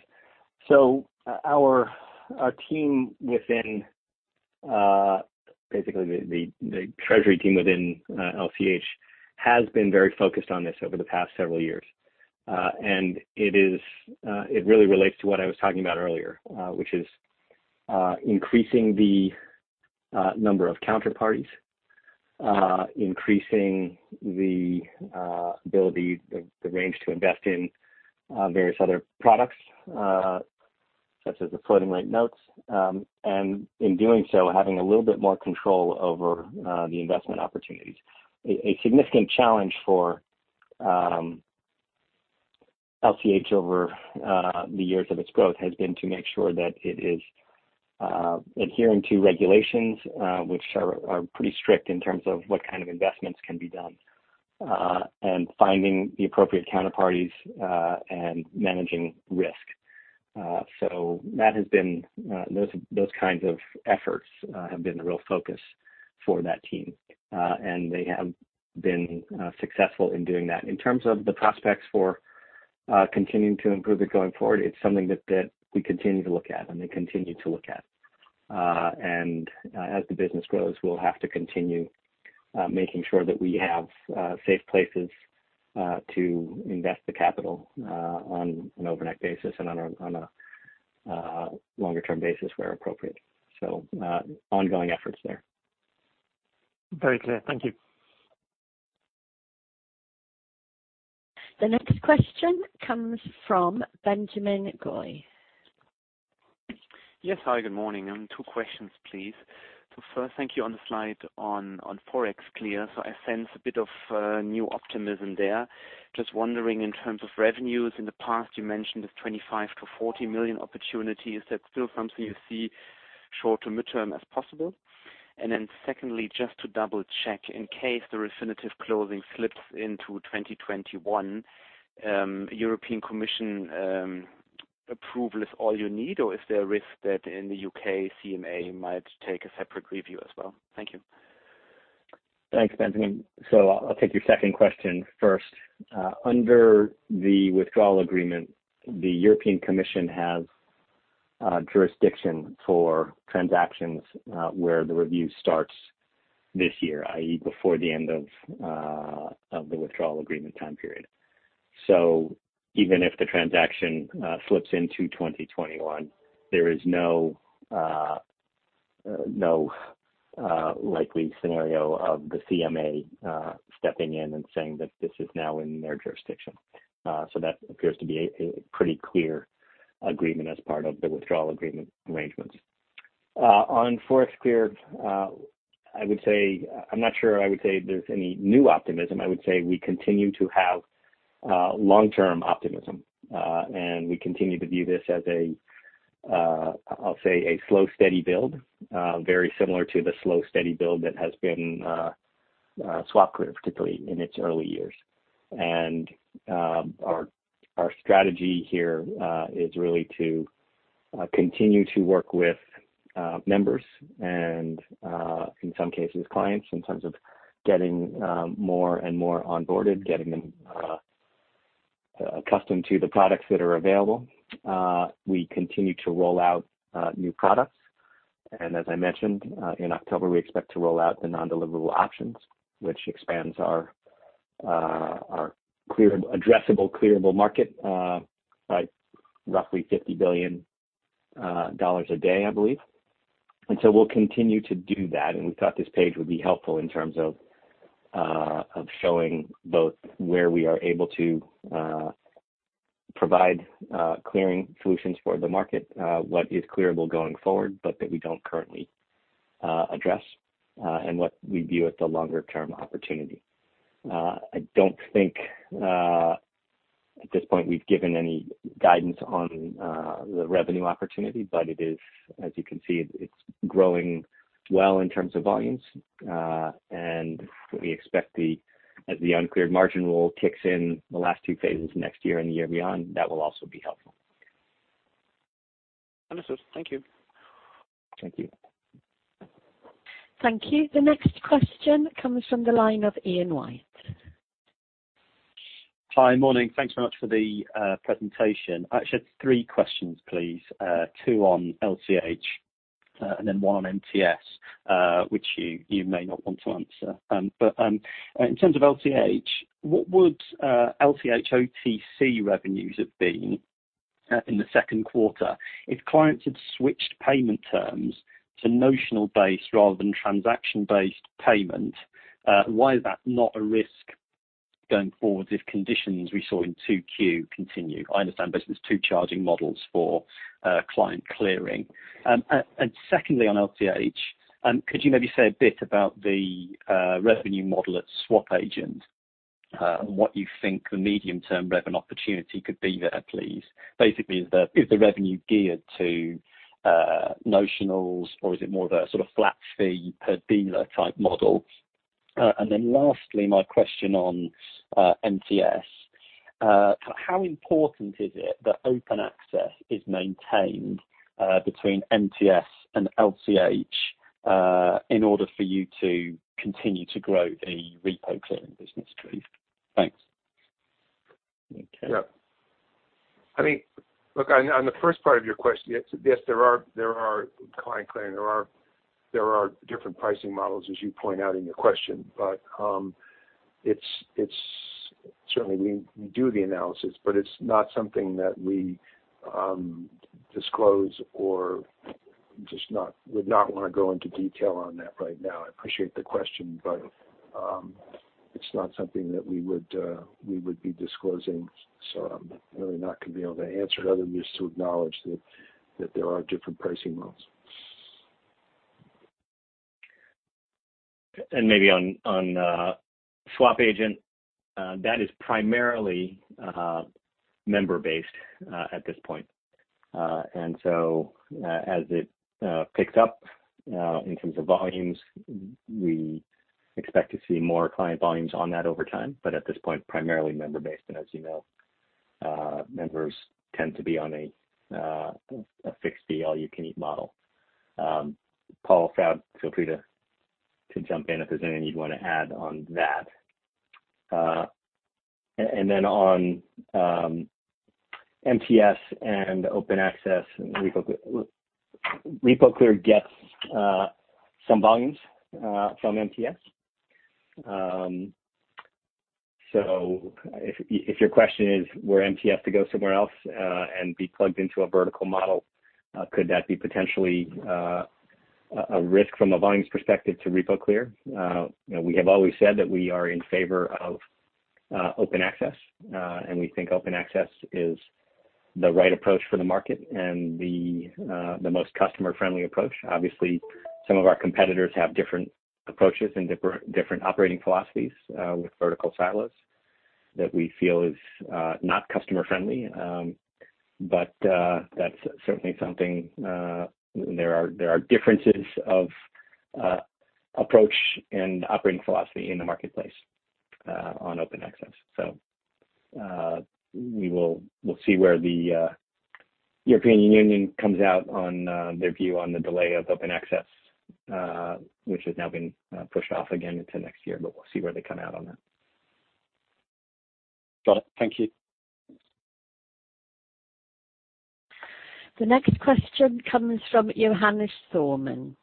Basically the treasury team within LCH has been very focused on this over the past several years. It really relates to what I was talking about earlier, which is increasing the number of counterparties, increasing the ability, the range to invest in various other products, such as the floating rate notes. In doing so, having a little bit more control over the investment opportunities. A significant challenge for LCH over the years of its growth has been to make sure that it is adhering to regulations which are pretty strict in terms of what kind of investments can be done, and finding the appropriate counterparties, and managing risk. Those kinds of efforts have been the real focus for that team, and they have been successful in doing that. In terms of the prospects for continuing to improve it going forward, it's something that we continue to look at and they continue to look at. As the business grows, we'll have to continue making sure that we have safe places to invest the capital on an overnight basis and on a longer-term basis where appropriate. Ongoing efforts there. Very clear. Thank you. The next question comes from Benjamin Goy. Yes, hi, good morning. Two questions, please. First, thank you on the slide on ForexClear. I sense a bit of new optimism there. Just wondering in terms of revenues, in the past, you mentioned the $25 million-$40 million opportunity. Is that still something you see short to midterm as possible? Secondly, just to double-check, in case the Refinitiv closing slips into 2021, European Commission approval is all you need, or is there a risk that in the U.K., CMA might take a separate review as well? Thank you. Thanks, Benjamin. I'll take your second question first. Under the Withdrawal Agreement, the European Commission has jurisdiction for transactions where the review starts this year, i.e., before the end of the Withdrawal Agreement time period. Even if the transaction slips into 2021, there is no likely scenario of the CMA stepping in and saying that this is now in their jurisdiction. That appears to be a pretty clear agreement as part of the Withdrawal Agreement arrangements. On ForexClear, I'm not sure I would say there's any new optimism. I would say we continue to have long-term optimism, and we continue to view this as a, I'll say, a slow, steady build very similar to the slow, steady build that has been SwapClear, particularly in its early years. Our strategy here is really to continue to work with members and, in some cases, clients in terms of getting more and more onboarded, getting them accustomed to the products that are available. We continue to roll out new products. As I mentioned, in October, we expect to roll out the non-deliverable options, which expands our addressable clearable market by roughly $50 billion a day, I believe. We'll continue to do that, and we thought this page would be helpful in terms of showing both where we are able to provide clearing solutions for the market, what is clearable going forward, but that we don't currently address, and what we view as the longer-term opportunity. I don't think at this point we've given any guidance on the revenue opportunity, but as you can see, it's growing well in terms of volumes. We expect as the uncleared margin rule kicks in the last two phases next year and the year beyond, that will also be helpful. thank you. Thank you. Thank you. The next question comes from the line of Ian White. Hi. Morning. Thanks very much for the presentation. Actually, I have three questions, please, two on LCH and one on MTS, which you may not want to answer. In terms of LCH, what would LCH OTC revenues have been in the second quarter if clients had switched payment terms to notional-based rather than transaction-based payment? Why is that not a risk going forward if conditions we saw in 2Q continue? I understand there are two charging models for client clearing. Secondly, on LCH, could you maybe say a bit about the revenue model at SwapAgent and what you think the medium-term revenue opportunity could be there, please? Basically, is the revenue geared to notionals, or is it more of a sort of flat fee per dealer type model? Lastly, my question on MTS, how important is it that open access is maintained between MTS and LCH in order for you to continue to grow the RepoClear business, please? Thanks. Okay. Yeah. Look, on the first part of your question, yes, there are client clearing, there are different pricing models, as you point out in your question. Certainly, we do the analysis, but it is not something that we disclose or just would not want to go into detail on that right now. I appreciate the question, but it is not something that we would be disclosing, so I am really not going to be able to answer it other than just to acknowledge that there are different pricing models. Maybe on SwapAgent, that is primarily member-based at this point. As it picks up in terms of volumes, we expect to see more client volumes on that over time, but at this point, primarily member-based. As you know, members tend to be on a fixed fee, all-you-can-eat model. Paul Froud, feel free to jump in if there's anything you'd want to add on that. On MTS and open access and RepoClear gets some volumes from MTS. If your question is were MTS to go somewhere else and be plugged into a vertical model, could that be potentially a risk from a volumes perspective to RepoClear? We have always said that we are in favor of open access, and we think open access is the right approach for the market and the most customer-friendly approach. Obviously, some of our competitors have different approaches and different operating philosophies with vertical silos that we feel is not customer-friendly. That's certainly something there are differences of approach and operating philosophy in the marketplace on open access. We'll see where the European Union comes out on their view on the delay of open access, which has now been pushed off again into next year, but we'll see where they come out on that. Got it. Thank you. The next question comes from Johannes Thormann.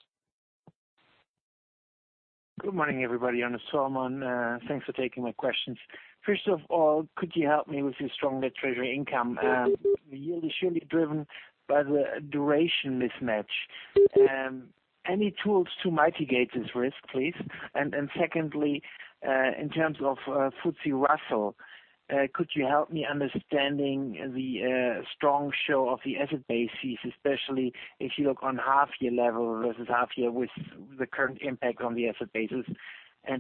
Good morning, everybody. Johannes Thormann. Thanks for taking my questions. Could you help me with your strong net treasury income? The yield is surely driven by the duration mismatch. Any tools to mitigate this risk, please? Secondly, in terms of FTSE Russell, could you help me understanding the strong show of the AUMs, especially if you look on half-year level versus half-year with the current impact on the AUMs?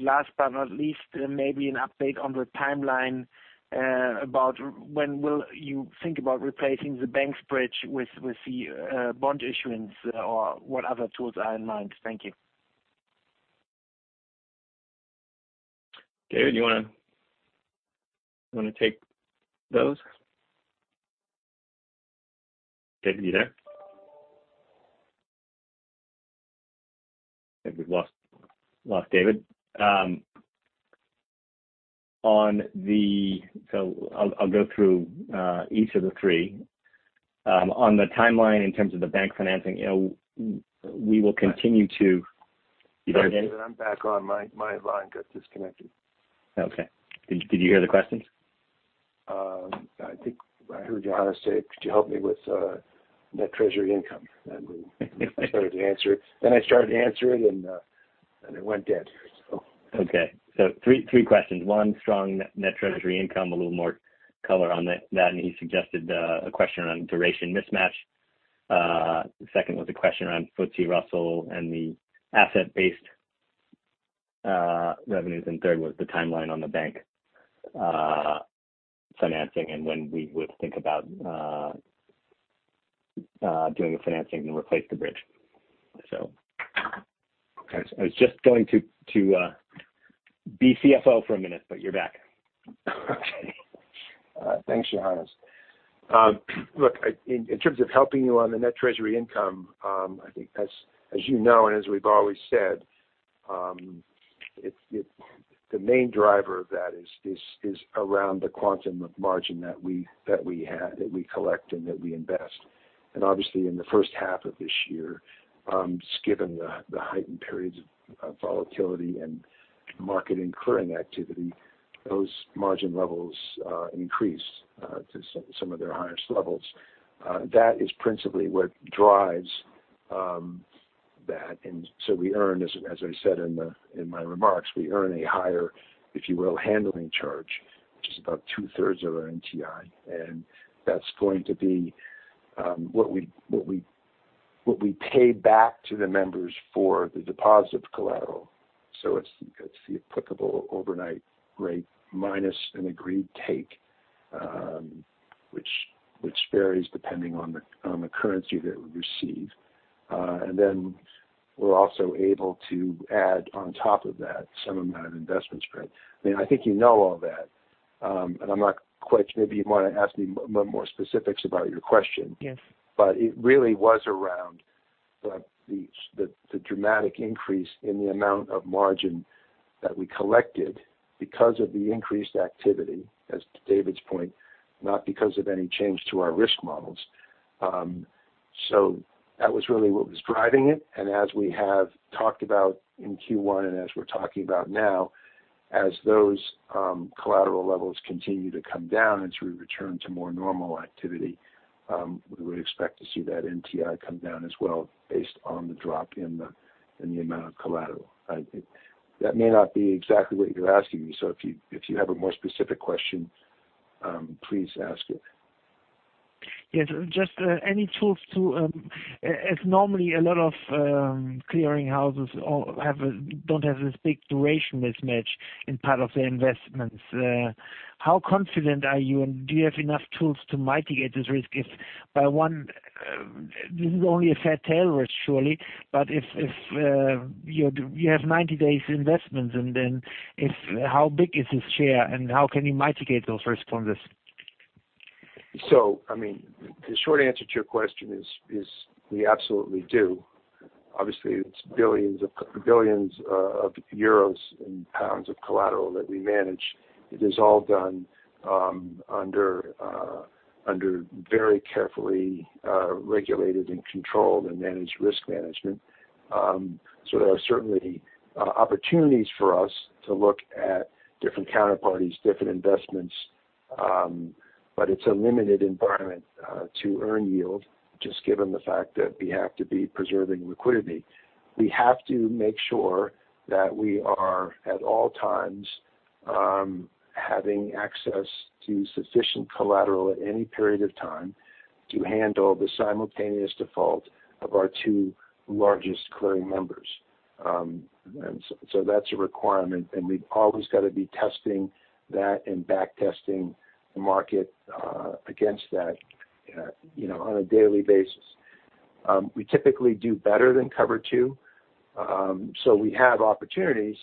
Last but not least, maybe an update on the timeline about when will you think about replacing the bank spread with the bond issuance, or what other tools are in mind. Thank you. David, you want to take those? David, are you there? I think we've lost David. I'll go through each of the three. On the timeline in terms of the bank financing, we will continue to. You there again? Sorry, David, I'm back on. My line got disconnected. Okay. Did you hear the questions? I think I heard Johannes say, "Could you help me with net treasury income?" I started to answer it, and it went dead. Okay. Three questions. One, strong Net Treasury Income, a little more color on that. He suggested a question around duration mismatch. The second was a question around FTSE Russell and the asset-based revenues. Third was the timeline on the bank financing and when we would think about doing the financing to replace the bridge. I was just going to be CFO for a minute, but you're back. Okay. Thanks, Johannes. Look, in terms of helping you on the net treasury income, I think as you know, as we've always said, the main driver of that is around the quantum of margin that we collect and that we invest. Obviously in the first half of this year, just given the heightened periods of volatility and market incurring activity, those margin levels increased to some of their highest levels. That is principally what drives that. So we earn, as I said in my remarks, we earn a higher, if you will, handling charge, which is about two-thirds of our NTI. That's going to be what we pay back to the members for the deposit collateral. So it's the applicable overnight-rate minus an agreed take, which varies depending on the currency that we receive. We're also able to add on top of that some amount of investment spread. I think you know all that. Maybe you want to ask me more specifics about your question. Yes. It really was around the dramatic increase in the amount of margin that we collected because of the increased activity, as to David's point, not because of any change to our risk models. That was really what was driving it. As we have talked about in Q1, and as we're talking about now, as those collateral levels continue to come down as we return to more normal activity, we would expect to see that NTI come down as well based on the drop in the amount of collateral. That may not be exactly what you're asking me. If you have a more specific question, please ask it. Yes. Just any tools to, as normally a lot of clearing houses don't have this big duration mismatch in part of their investments. How confident are you, and do you have enough tools to mitigate this risk if this is only a fat tail risk, surely? If you have 90 days investments, and then how big is this share, and how can you mitigate those risks from this? The short answer to your question is we absolutely do. Obviously, it's billions of EUR and GBP of collateral that we manage. It is all done under very carefully regulated and controlled and managed risk management. There are certainly opportunities for us to look at different counterparties, different investments, but it's a limited environment to earn yield, just given the fact that we have to be preserving liquidity. We have to make sure that we are at all times having access to sufficient collateral at any period of time to handle the simultaneous default of our two largest clearing members. That's a requirement, and we've always got to be testing that and back testing the market against that on a daily basis. We typically do better than Cover 2. We have opportunities,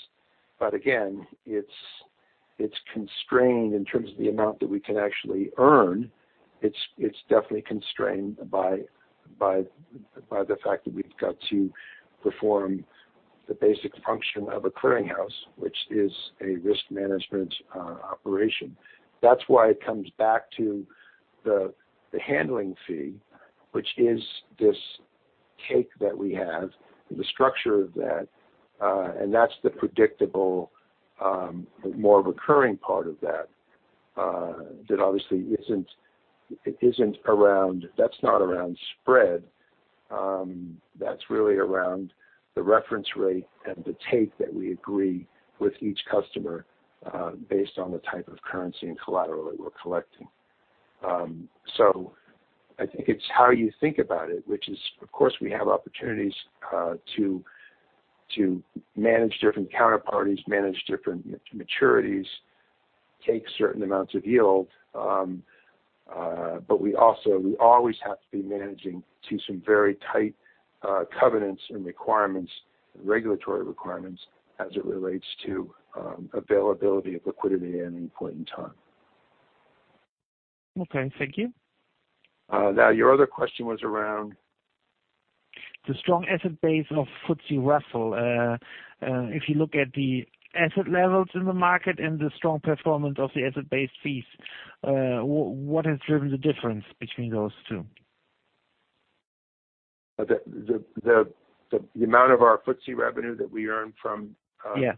but again, it's constrained in terms of the amount that we can actually earn. It's definitely constrained by the fact that we've got to perform the basic function of a clearinghouse, which is a risk management operation. That's why it comes back to the handling fee, which is this cake that we have, the structure of that, and that's the predictable, more of a recurring part of that obviously that's not around spread. That's really around the reference rate and the take that we agree with each customer based on the type of currency and collateral that we're collecting. I think it's how you think about it, which is, of course, we have opportunities to manage different counterparties, manage different maturities, take certain amounts of yield. We always have to be managing to some very tight covenants and requirements, regulatory requirements as it relates to availability of liquidity at any point in time. Okay. Thank you. Your other question was around? The strong asset base of FTSE Russell. If you look at the asset levels in the market and the strong performance of the asset-based fees, what has driven the difference between those two? The amount of our FTSE revenue that we earn. Yeah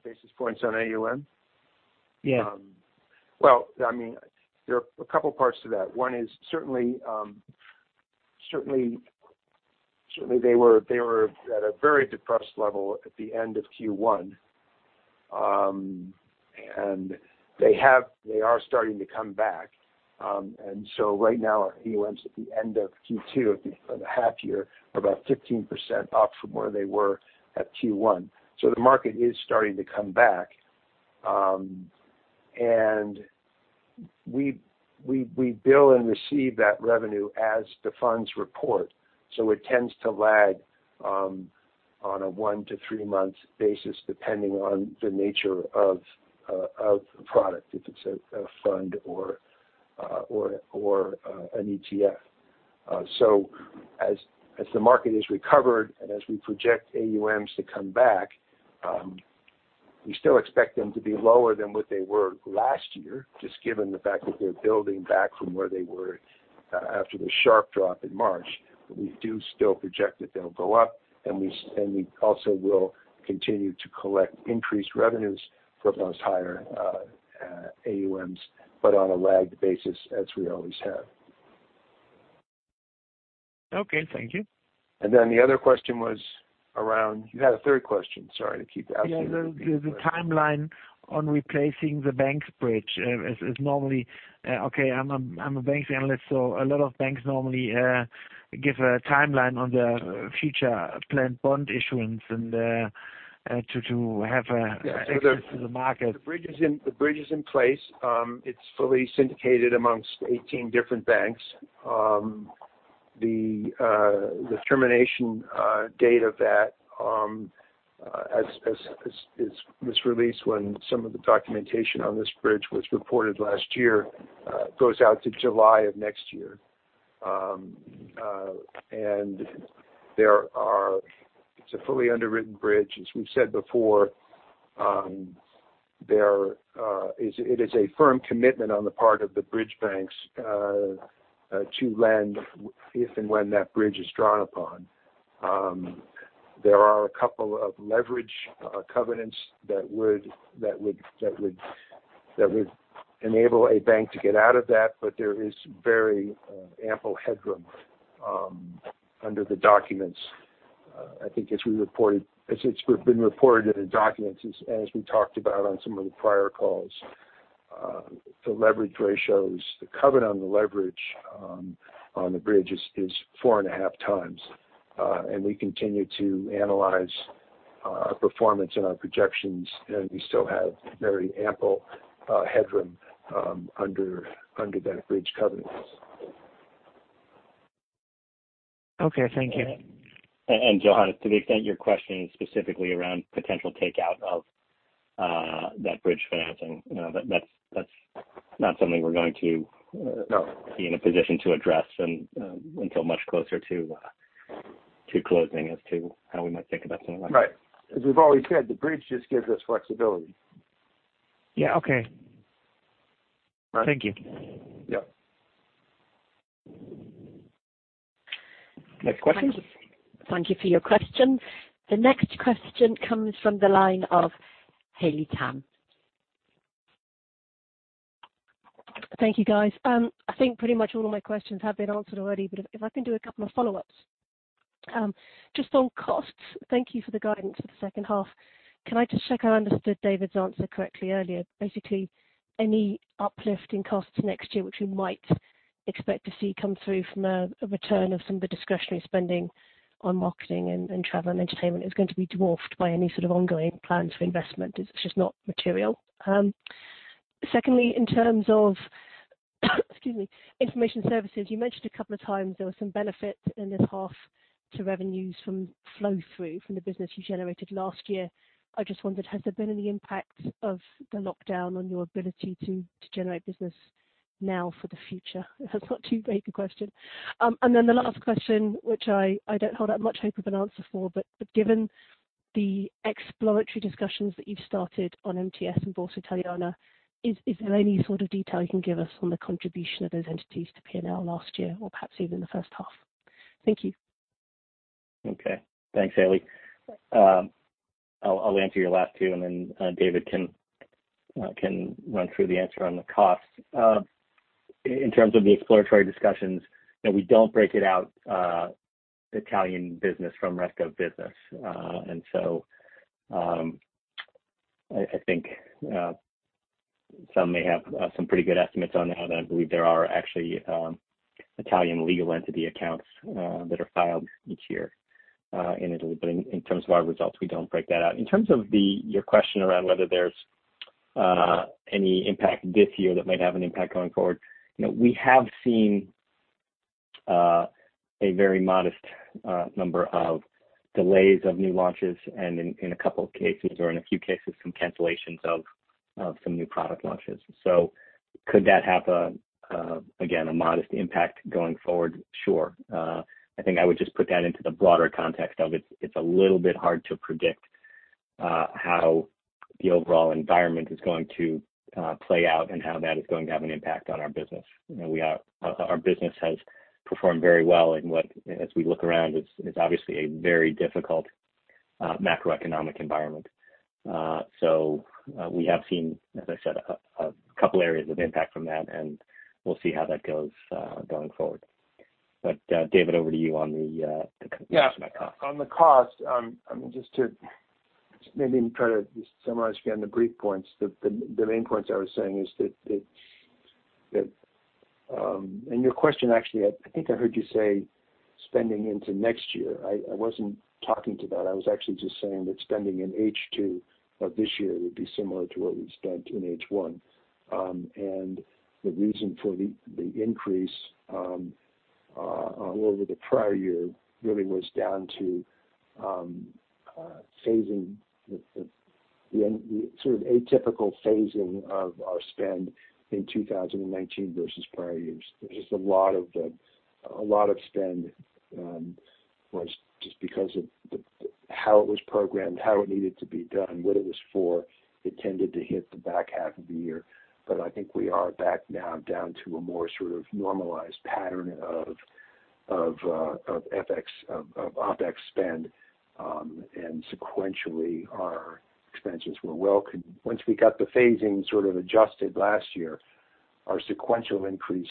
basis points on AUM? Yeah. Well, there are a couple parts to that. One is certainly they were at a very depressed level at the end of Q1. They are starting to come back. Right now our AUMs at the end of Q2, of the half year, are about 15% up from where they were at Q1. The market is starting to come back. We bill and receive that revenue as the funds report. It tends to lag on a one- to three-month basis, depending on the nature of the product, if it's a fund or an ETF. As the market has recovered and as we project AUMs to come back, we still expect them to be lower than what they were last year, just given the fact that they're building back from where they were after the sharp drop in March. We do still project that they'll go up, and we also will continue to collect increased revenues from those higher AUMs, but on a lagged basis as we always have. Okay, thank you. The other question was around. You had a third question. Sorry to keep asking. Yeah. The timeline on replacing the banks bridge is normally, okay, I'm a banks analyst, so a lot of banks normally give a timeline on their future planned bond issuance to have access to the market. The bridge is in place. It's fully syndicated amongst 18 different banks. The termination date of that was released when some of the documentation on this bridge was reported last year, goes out to July of next year. It's a fully underwritten bridge, as we've said before. It is a firm commitment on the part of the bridge banks to lend if and when that bridge is drawn upon. There are a couple of leverage covenants that would enable a bank to get out of that, but there is very ample headroom under the documents. I think as it's been reported in the documents, as we talked about on some of the prior calls, the leverage ratios, the covenant on the leverage on the bridge is 4.5x. We continue to analyze our performance and our projections, and we still have very ample headroom under that bridge covenants. Okay, thank you. Johannes, to the extent your question is specifically around potential takeout of that bridge financing, that's not something we're going to. No be in a position to address until much closer to closing as to how we might think about something like that. As we've always said, the bridge just gives us flexibility. Yeah, okay. Right. Thank you. Yep. Next questions. Thank you for your question. The next question comes from the line of Haley Tam. Thank you, guys. I think pretty much all of my questions have been answered already. If I can do a couple of follow-ups. Just on costs, thank you for the guidance for the second half. Can I just check I understood David's answer correctly earlier. Basically, any uplift in costs next year, which we might expect to see come through from a return of some of the discretionary spending on marketing and travel and entertainment is going to be dwarfed by any sort of ongoing plans for investment. It's just not material. Secondly, in terms of excuse me, information services, you mentioned a couple of times there were some benefits in this half to revenues from flow-through from the business you generated last year. I just wondered, has there been any impact of the lockdown on your ability to generate business now for the future? If that's not too vague a question. The last question, which I don't hold out much hope of an answer for, but given the exploratory discussions that you've started on MTS and Borsa Italiana, is there any sort of detail you can give us on the contribution of those entities to P&L last year or perhaps even the first half? Thank you. Okay. Thanks, Haley. I'll answer your last two, and then David can run through the answer on the costs. In terms of the exploratory discussions, we don't break it out, Italian business from rest of business. I think some may have some pretty good estimates on how that I believe there are actually Italian legal entity accounts that are filed each year in Italy. In terms of our results, we don't break that out. In terms of your question around whether there's any impact this year that might have an impact going forward, we have seen a very modest number of delays of new launches and in a couple of cases or in a few cases, some cancellations of some new product launches. Could that have, again, a modest impact going forward? Sure. I think I would just put that into the broader context of it's a little bit hard to predict how the overall environment is going to play out and how that is going to have an impact on our business. Our business has performed very well in what, as we look around, it's obviously a very difficult macroeconomic environment. We have seen, as I said, a couple areas of impact from that, and we'll see how that goes going forward. David, over to you on the question about cost. Yeah. On the cost, just to maybe try to summarize again the brief points, the main points I was saying is that your question, actually, I think I heard you say spending into next year. I wasn't talking to that. I was actually just saying that spending in H2 of this year would be similar to what we've spent in H1. The reason for the increase over the prior year really was down to phasing, the sort of atypical phasing of our spend in 2019 versus prior years. There's just a lot of spend was just because of how it was programmed, how it needed to be done, what it was for, it tended to hit the back half of the year. I think we are back now down to a more sort of normalized pattern of OpEx spend. Sequentially, our expenses were well once we got the phasing sort of adjusted last year, our sequential increase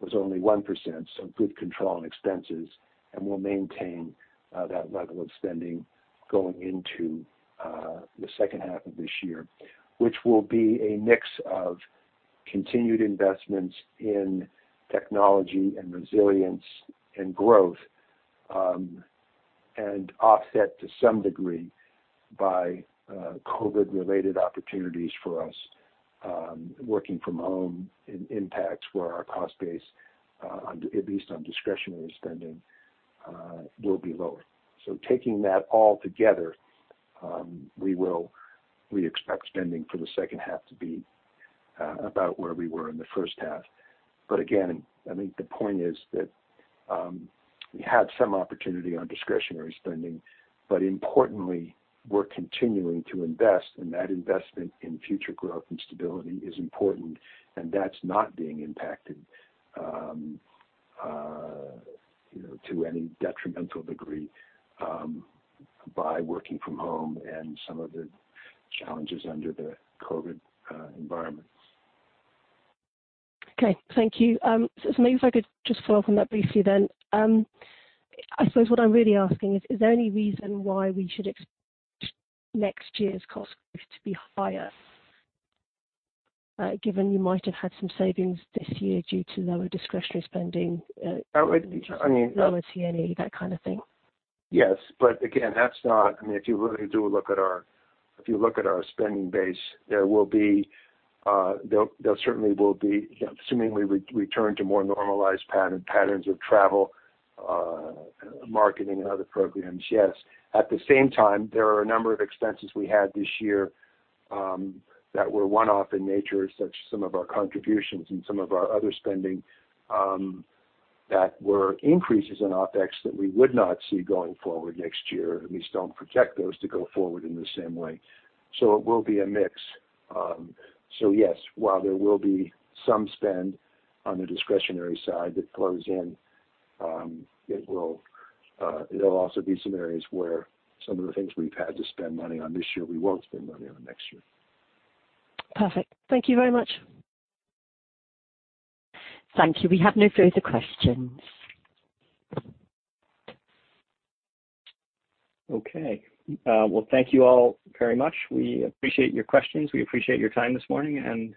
was only 1%, good control on expenses. We'll maintain that level of spending going into the second half of this year. Which will be a mix of continued investments in technology and resilience and growth, and offset to some degree by COVID-related opportunities for us working from home, impacts where our cost base, at least on discretionary spending, will be lower. Taking that all together, we expect spending for the second half to be about where we were in the first half. Again, I think the point is that we had some opportunity on discretionary spending, but importantly, we're continuing to invest, and that investment in future growth and stability is important, and that's not being impacted to any detrimental degree by working from home and some of the challenges under the COVID environment. Okay. Thank you. Maybe if I could just follow up on that briefly. I suppose what I'm really asking is there any reason why we should expect next year's cost growth to be higher, given you might have had some savings this year due to lower discretionary spending? I would. Lower T&E, that kind of thing. Yes. If you look at our spending base, there certainly will be, assuming we return to more normalized patterns of travel, marketing and other programs, yes. At the same time, there are a number of expenses we had this year that were one-off in nature, such as some of our contributions and some of our other spending, that were increases in OpEx that we would not see going forward next year. At least don't project those to go forward in the same way. It will be a mix. Yes, while there will be some spend on the discretionary side that goes in, there'll also be some areas where some of the things we've had to spend money on this year, we won't spend money on next year. Perfect. Thank you very much. Thank you. We have no further questions. Okay. Well, thank you all very much. We appreciate your questions. We appreciate your time this morning.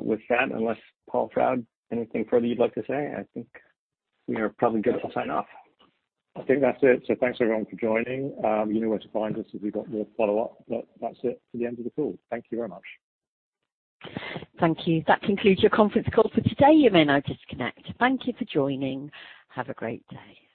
With that, unless Paul Froud, anything further you'd like to say, I think we are probably good to sign off. I think that's it. Thanks, everyone, for joining. You know where to find us if you've got more follow-up, but that's it for the end of the call. Thank you very much. Thank you. That concludes your conference call for today. You may now disconnect. Thank you for joining. Have a great day.